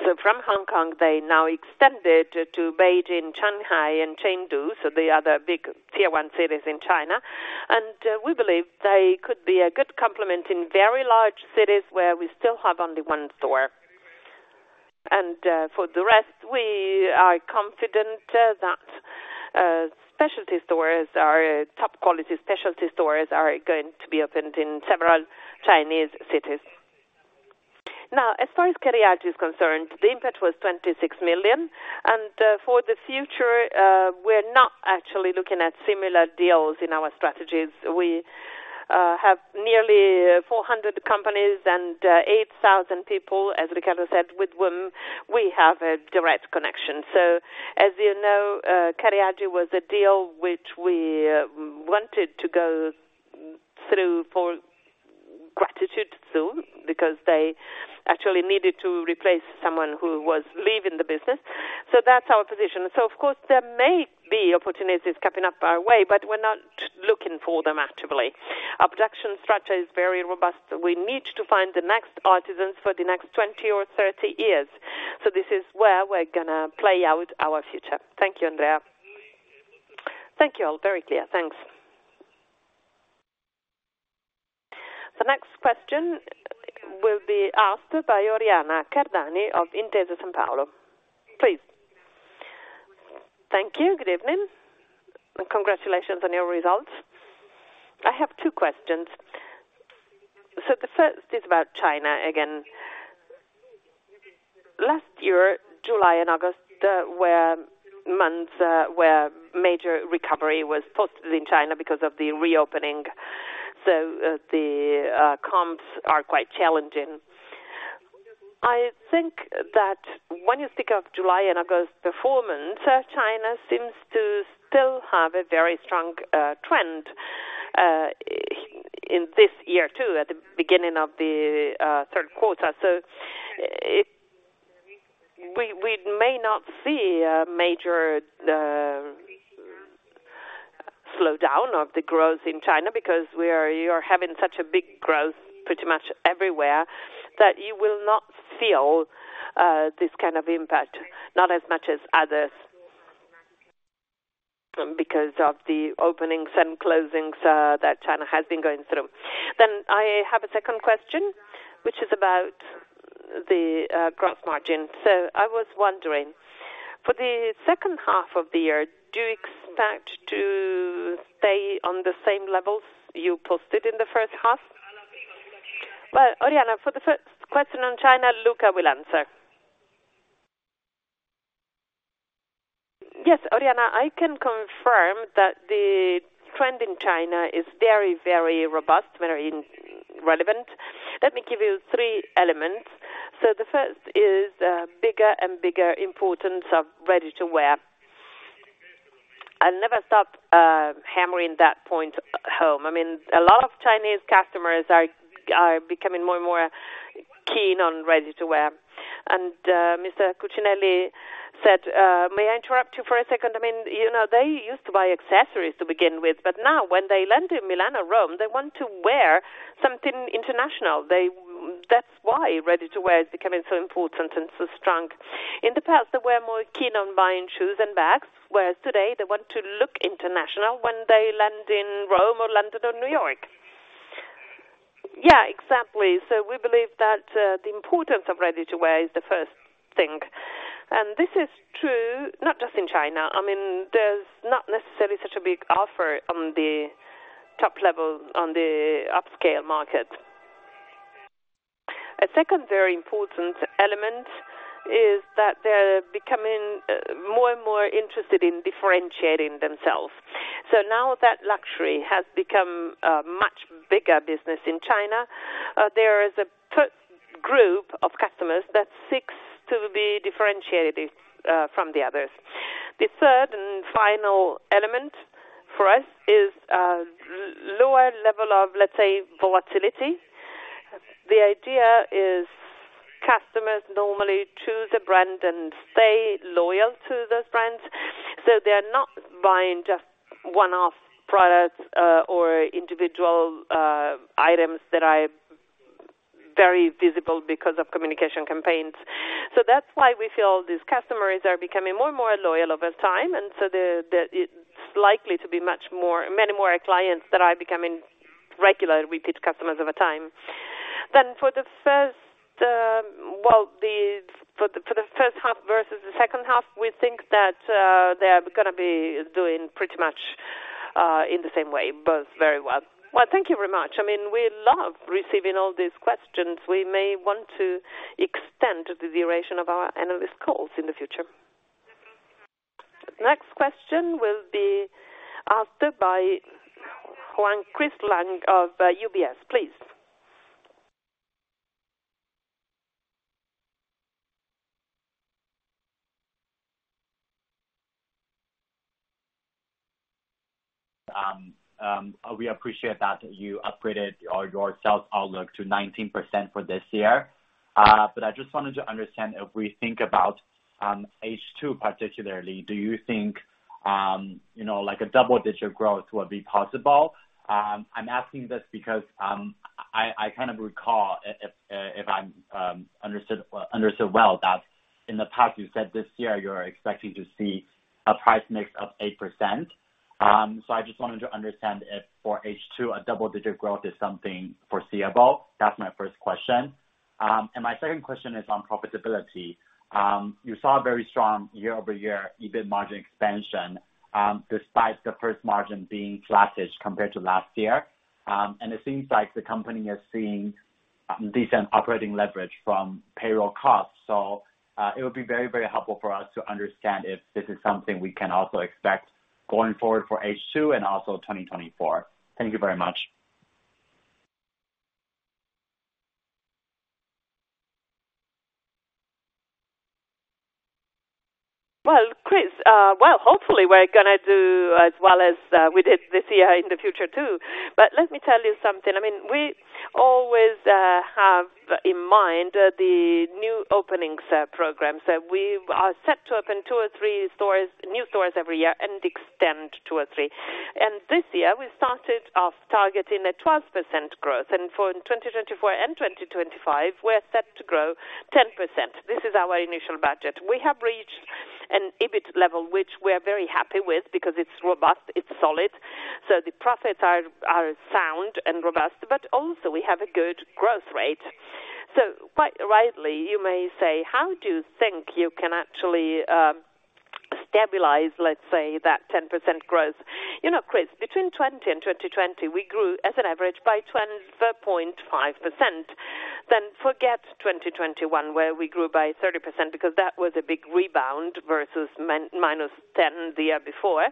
So from Hong Kong, they now extended to Beijing, Shanghai and Chengdu, so the other big tier one cities in China. And we believe they could be a good complement in very large cities where we still have only one store. And for the rest, we are confident that specialty stores, our top quality specialty stores are going to be opened in several Chinese cities. Now, as far as Cariaggi is concerned, the impact was 26 million, and, for the future, we're not actually looking at similar deals in our strategies. We have nearly 400 companies and 8,000 people, as Riccardo said, with whom we have a direct connection. So, as you know, Cariaggi was a deal which we wanted to go through for gratitude, too, because they actually needed to replace someone who was leaving the business. So that's our position. So of course, there may be opportunities coming up our way, but we're not looking for them actively. Our production structure is very robust. We need to find the next artisans for the next 20 or 30 years. So this is where we're gonna play out our future. Thank you, Andrea. Thank you all. Very clear. Thanks. The next question will be asked by Oriana Cardani of Intesa Sanpaolo. Please. Thank you. Good evening, and congratulations on your results. I have two questions. So the first is about China again. Last year, July and August were months where major recovery was posted in China because of the reopening. So the comps are quite challenging. I think that when you think of July and August performance, China seems to still have a very strong trend in this year, too, at the beginning of the third quarter. So it... We, we may not see a major slowdown of the growth in China because we are, you are having such a big growth pretty much everywhere, that you will not feel this kind of impact, not as much as others, because of the openings and closings that China has been going through. Then I have a second question, which is about the gross margin. So I was wondering, for the second half of the year, do you expect to stay on the same levels you posted in the first half? Well, Oriana, for the first question on China, Luca will answer. Yes, Oriana, I can confirm that the trend in China is very, very robust, very relevant. Let me give you three elements. So the first is bigger and bigger importance of ready-to-wear. I'll never stop hammering that point home. I mean, a lot of Chinese customers are becoming more and more keen on ready-to-wear. And, Mr. Cucinelli said, may I interrupt you for a second? I mean, you know, they used to buy accessories to begin with, but now when they land in Milan or Rome, they want to wear something international. They... That's why ready-to-wear is becoming so important and so strong. In the past, they were more keen on buying shoes and bags, whereas today they want to look international when they land in Rome or London or New York.... Yeah, exactly. So we believe that, the importance of ready-to-wear is the first thing. And this is true, not just in China. I mean, there's not necessarily such a big offer on the top level, on the upscale market. A second very important element is that they're becoming more and more interested in differentiating themselves. So now that luxury has become a much bigger business in China, there is a group of customers that seeks to be differentiated from the others. The third and final element for us is lower level of, let's say, volatility. The idea is customers normally choose a brand and stay loyal to those brands, so they are not buying just one-off products or individual items that are very visible because of communication campaigns. So that's why we feel these customers are becoming more and more loyal over time, and so it's likely to be much more, many more clients that are becoming regular repeat customers over time. Then for the first half versus the second half, we think that they are gonna be doing pretty much in the same way, both very well. Well, thank you very much. I mean, we love receiving all these questions. We may want to extend the duration of our analyst calls in the future. Next question will be asked by Huang Chris Lang of UBS. Please. We appreciate that you upgraded your sales outlook to 19% for this year. But I just wanted to understand, if we think about H2, particularly, do you think, you know, like a double-digit growth would be possible? I'm asking this because I kind of recall, if I'm understood well, that in the past, you said this year, you're expecting to see a price mix of 8%. So I just wanted to understand if for H2, a double-digit growth is something foreseeable. That's my first question. And my second question is on profitability. You saw a very strong year-over-year EBIT margin expansion, despite the gross margin being flattish compared to last year. And it seems like the company is seeing decent operating leverage from payroll costs. It would be very, very helpful for us to understand if this is something we can also expect going forward for H2 and also 2024. Thank you very much. Well, Chris, well, hopefully we're gonna do as well as we did this year in the future, too. But let me tell you something. I mean, we always have in mind the new openings program. So we are set to open two or three stores, new stores every year and extend two or three. And this year, we started off targeting a 12% growth, and for 2024 and 2025, we're set to grow 10%. This is our initial budget. We have reached an EBIT level, which we are very happy with because it's robust, it's solid, so the profits are sound and robust, but also we have a good growth rate. So quite rightly, you may say: how do you think you can actually stabilize, let's say, that 10% growth? You know, Chris, between 2019 and 2020, we grew as an average by 20.5%. Then forget 2021, where we grew by 30%, because that was a big rebound versus minus 10% the year before.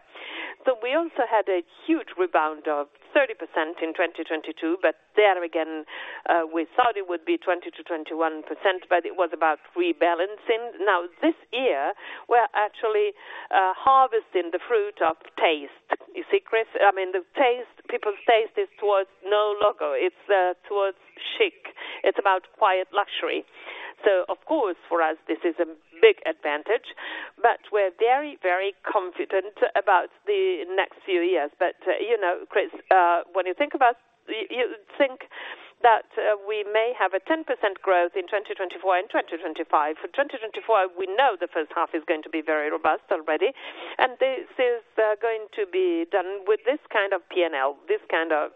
So we also had a huge rebound of 30% in 2022, but there again, we thought it would be 20%-21%, but it was about rebalancing. Now, this year, we're actually harvesting the fruit of taste. You see, Chris, I mean, the taste, people's taste is towards no logo. It's towards chic. It's about quiet luxury. So of course, for us, this is a big advantage, but we're very, very confident about the next few years. But, you know, Chris, when you think about... You, you think that we may have a 10% growth in 2024 and 2025. For 2024, we know the first half is going to be very robust already, and this is going to be done with this kind of P&L, this kind of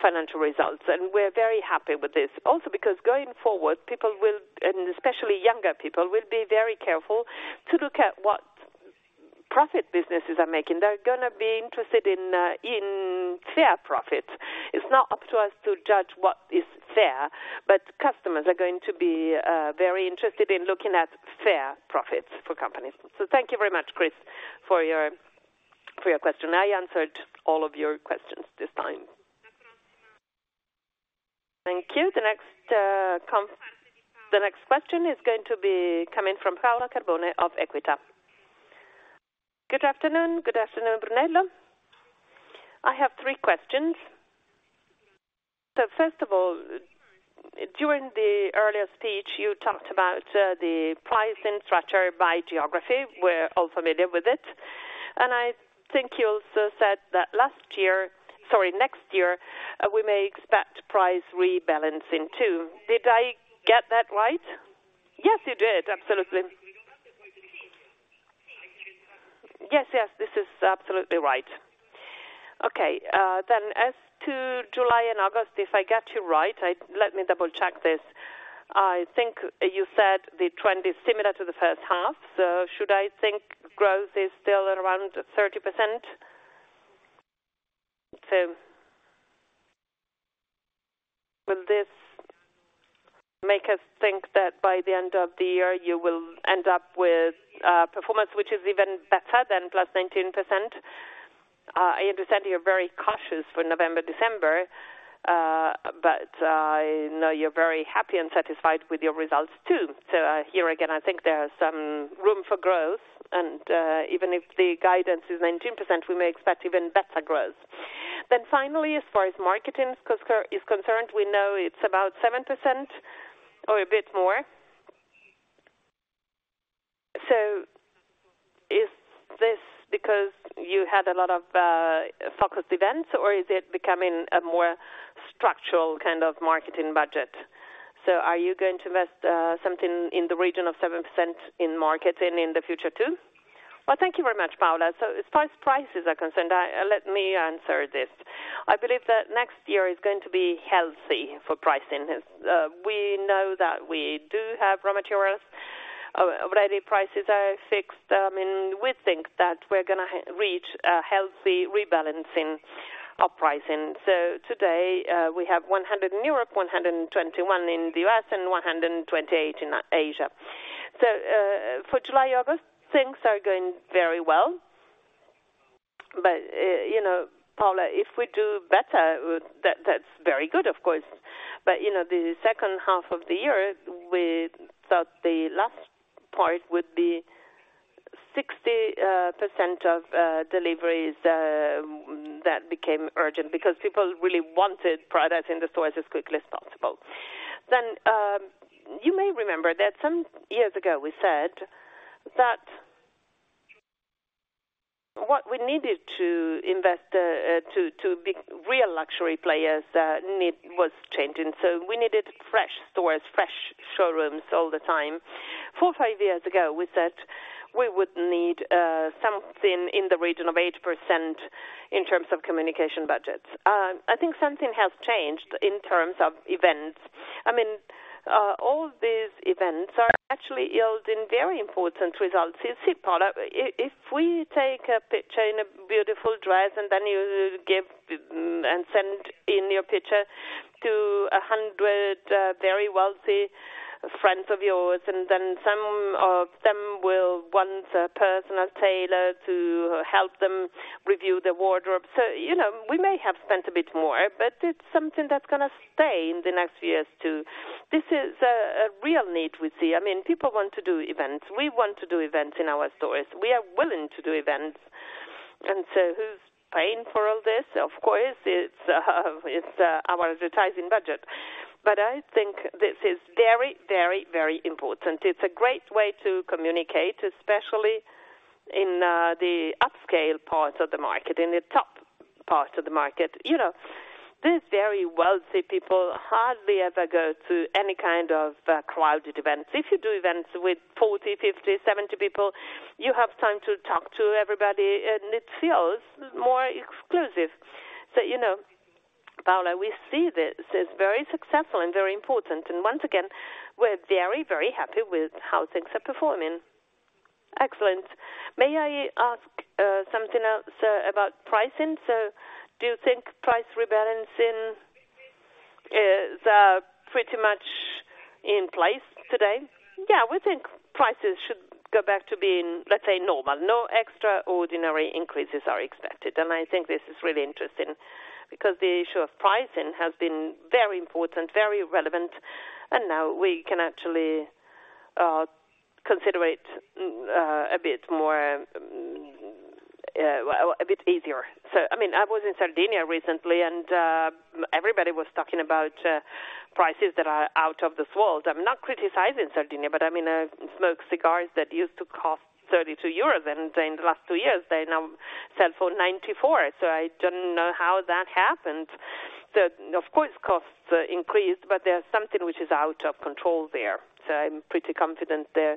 financial results, and we're very happy with this. Also, because going forward, people will, and especially younger people, will be very careful to look at what profit businesses are making. They're gonna be interested in fair profit. It's not up to us to judge what is fair, but customers are going to be very interested in looking at fair profits for companies. So thank you very much, Chris, for your, for your question. I answered all of your questions this time. Thank you. The next, con... The next question is going to be coming from Paola Carboni of Equita. Good afternoon. Good afternoon, Brunello. I have three questions. So first of all, during the earlier speech, you talked about the pricing structure by geography. We're all familiar with it, and I think you also said that last year, sorry, next year, we may expect price rebalancing, too. Did I get that right? Yes, you did. Absolutely. Yes, yes, this is absolutely right. Okay, then as to July and August, if I get you right, let me double-check this. I think you said the trend is similar to the first half, so should I think growth is still around 30%? So will this make us think that by the end of the year, you will end up with performance, which is even better than +19%? I understand you're very cautious for November, December, but I know you're very happy and satisfied with your results, too. So, here again, I think there are some room for growth, and even if the guidance is 19%, we may expect even better growth. Then finally, as far as marketing is concerned, we know it's about 7% or a bit more. So is this because you had a lot of focused events, or is it becoming a more structural kind of marketing budget? So are you going to invest something in the region of 7% in marketing in the future, too? Well, thank you very much, Paola. So as far as prices are concerned, let me answer this. I believe that next year is going to be healthy for pricing. We know that we do have raw materials. Already prices are fixed. I mean, we think that we're gonna reach a healthy rebalancing of pricing. So today, we have 100 in Europe, 121 in the U.S., and 128 in Asia. So, for July, August, things are going very well. But, you know, Paola, if we do better, that's very good, of course. But, you know, the second half of the year, we thought the last part would be 60% of deliveries that became urgent because people really wanted products in the stores as quickly as possible. Then, you may remember that some years ago we said that what we needed to invest to be real luxury players need was changing, so we needed fresh stores, fresh showrooms all the time. Four, five years ago, we said we would need something in the region of 8% in terms of communication budgets. I think something has changed in terms of events. I mean, all these events are actually yielding very important results. You see, Paola, if we take a picture in a beautiful dress, and then you give and send in your picture to 100 very wealthy friends of yours, and then some of them will want a personal tailor to help them review their wardrobe. So, you know, we may have spent a bit more, but it's something that's gonna stay in the next years, too. This is a real need we see. I mean, people want to do events. We want to do events in our stores. We are willing to do events, and so who's paying for all this? Of course, it's our advertising budget. But I think this is very, very, very important. It's a great way to communicate, especially in the upscale parts of the market, in the top part of the market. You know, these very wealthy people hardly ever go to any kind of crowded events. If you do events with 40, 50, 70 people, you have time to talk to everybody, and it feels more exclusive. So, you know, Paola, we see this is very successful and very important, and once again, we're very, very happy with how things are performing. Excellent. May I ask something else about pricing? So do you think price rebalancing is pretty much in place today? Yeah, we think prices should go back to being, let's say, normal. No extraordinary increases are expected, and I think this is really interesting because the issue of pricing has been very important, very relevant, and now we can actually consider it a bit more a bit easier. So, I mean, I was in Sardinia recently, and everybody was talking about prices that are out of this world. I'm not criticizing Sardinia, but I mean, I smoke cigars that used to cost 32 euros, and in the last two years, they now sell for 94. So I don't know how that happened. So of course, costs increased, but there's something which is out of control there. So I'm pretty confident there.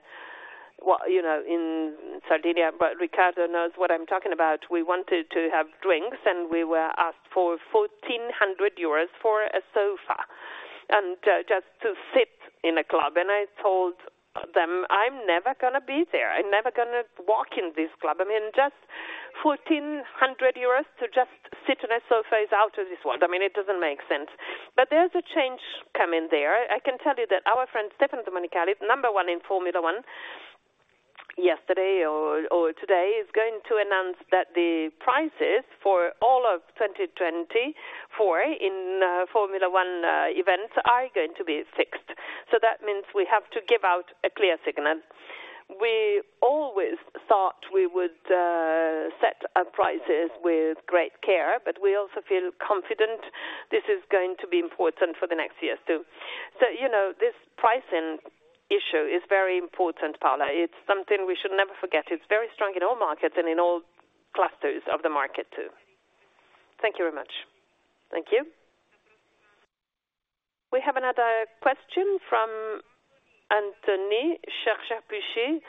Well, you know, in Sardinia, but Riccardo knows what I'm talking about. We wanted to have drinks, and we were asked for 1,400 euros for a sofa and, just to sit in a club. And I told them, "I'm never gonna be there. I'm never gonna walk in this club." I mean, just 1,400 euros to just sit on a sofa is out of this world. I mean, it doesn't make sense, but there's a change coming there. I can tell you that our friend, Stefano Domenicali, number one in Formula One, yesterday or today, is going to announce that the prices for all of 2024 in, Formula One, events are going to be fixed. So that means we have to give out a clear signal. We always thought we would set our prices with great care, but we also feel confident this is going to be important for the next years, too. So, you know, this pricing issue is very important, Paola. It's something we should never forget. It's very strong in all markets and in all clusters of the market, too. Thank you very much. Thank you. We have another question from Anthony Charchafji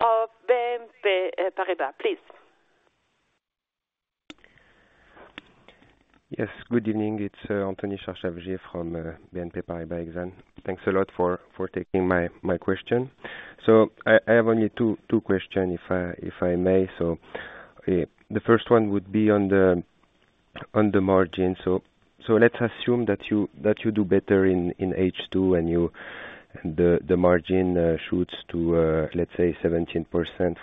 of BNP Paribas, please. Yes, good evening. It's Anthony Charchafji from BNP Paribas. Thanks a lot for taking my question. So I have only two questions, if I may. So the first one would be on the margin. So let's assume that you do better in H2 and you the margin shoots to let's say 17%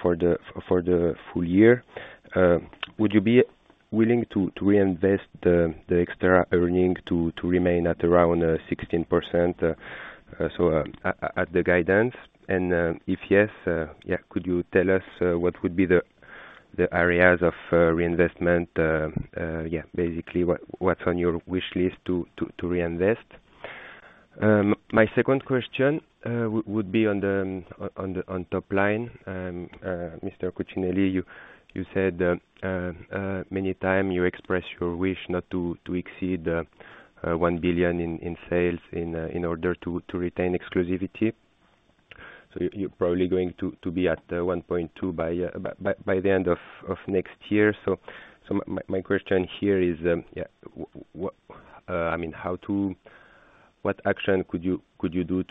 for the full year. Would you be willing to reinvest the extra earning to remain at around 16%, so at the guidance? And if yes, yeah, could you tell us what would be the areas of reinvestment? Yeah, basically, what's on your wish list to reinvest? My second question would be on the top line. Mr. Cucinelli, you said many times you express your wish not to exceed 1 billion in sales in order to retain exclusivity. So you're probably going to be at 1.2 billion by the end of next year. So my question here is, yeah, what, I mean, how to... what action could you do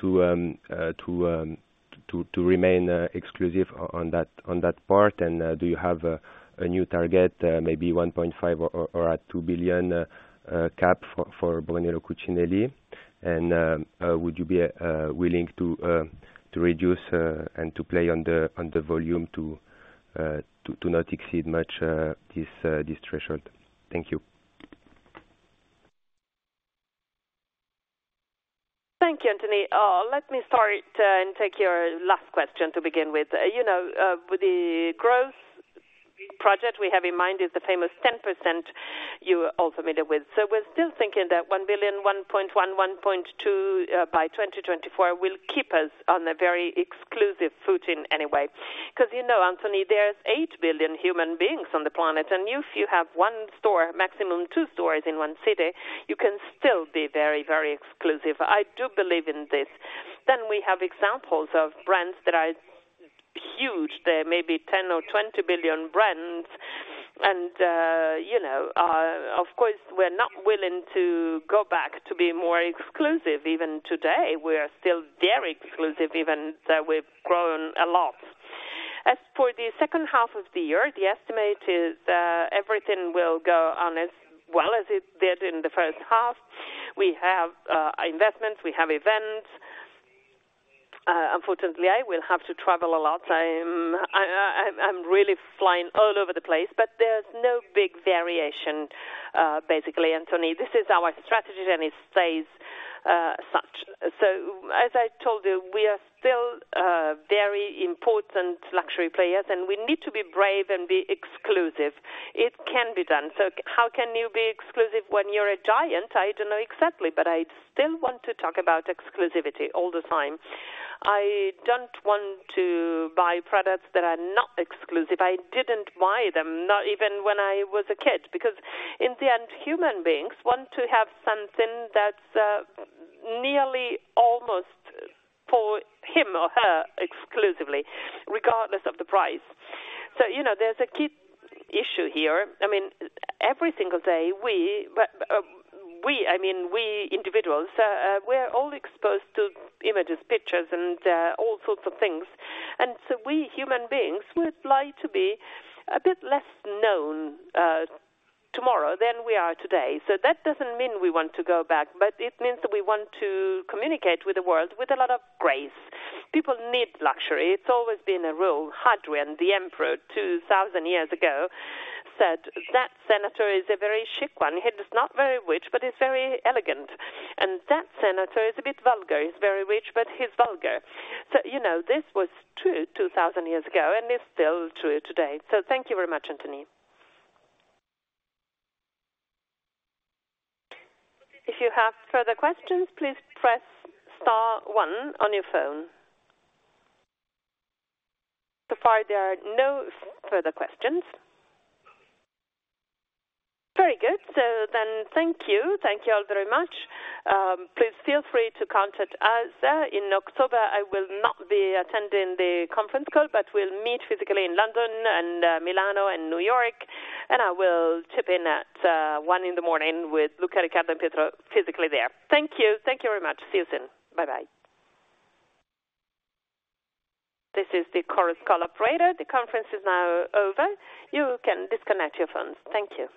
to remain exclusive on that part? And do you have a new target, maybe 1.5 billion or 2 billion cap for Brunello Cucinelli? Would you be willing to reduce and to play on the volume to not exceed much this threshold? Thank you. Thank you, Anthony. Let me start, and take your last question to begin with. You know, the growth project we have in mind is the famous 10% you are all familiar with. So we're still thinking that 1 billion, 1.1 billion, 1.2 billion by 2024 will keep us on a very exclusive footing anyway. 'Cause you know, Anthony, there's 8 billion human beings on the planet, and if you have one store, maximum two stores in one city, you can still be very, very exclusive. I do believe in this. Then we have examples of brands that are huge. There may be 10 or 20 billion brands, and, you know, of course, we're not willing to go back to be more exclusive. Even today, we are still very exclusive, even though we've grown a lot. As for the second half of the year, the estimate is everything will go on as well as it did in the first half. We have investments, we have events. Unfortunately, I will have to travel a lot. I'm really flying all over the place, but there's no big variation, basically, Anthony. This is our strategy, and it stays such. So as I told you, we are still very important luxury players, and we need to be brave and be exclusive. It can be done. So how can you be exclusive when you're a giant? I don't know exactly, but I still want to talk about exclusivity all the time. I don't want to buy products that are not exclusive. I didn't buy them, not even when I was a kid, because in the end, human beings want to have something that's nearly almost for him or her, exclusively, regardless of the price. So, you know, there's a key issue here. I mean, every single day, we I mean, we individuals, we're all exposed to images, pictures, and all sorts of things. And so we, human beings, would like to be a bit less known tomorrow than we are today. So that doesn't mean we want to go back, but it means that we want to communicate with the world with a lot of grace. People need luxury. It's always been a rule. Hadrian, the emperor, 2,000 years ago, said, "That senator is a very chic one. He is not very rich, but he's very elegant. And that senator is a bit vulgar. He's very rich, but he's vulgar." So, you know, this was true 2,000 years ago, and it's still true today. So thank you very much, Anthony. If you have further questions, please press star one on your phone. So far, there are no further questions. Very good. So then thank you. Thank you all very much. Please feel free to contact us. In October, I will not be attending the conference call, but we'll meet physically in London and Milan and New York, and I will chip in at 1:00 A.M. with Luca and Pietro, physically there. Thank you. Thank you very much. See you soon. Bye-bye. This is the Chorus Call operator. The conference is now over. You can disconnect your phones. Thank you.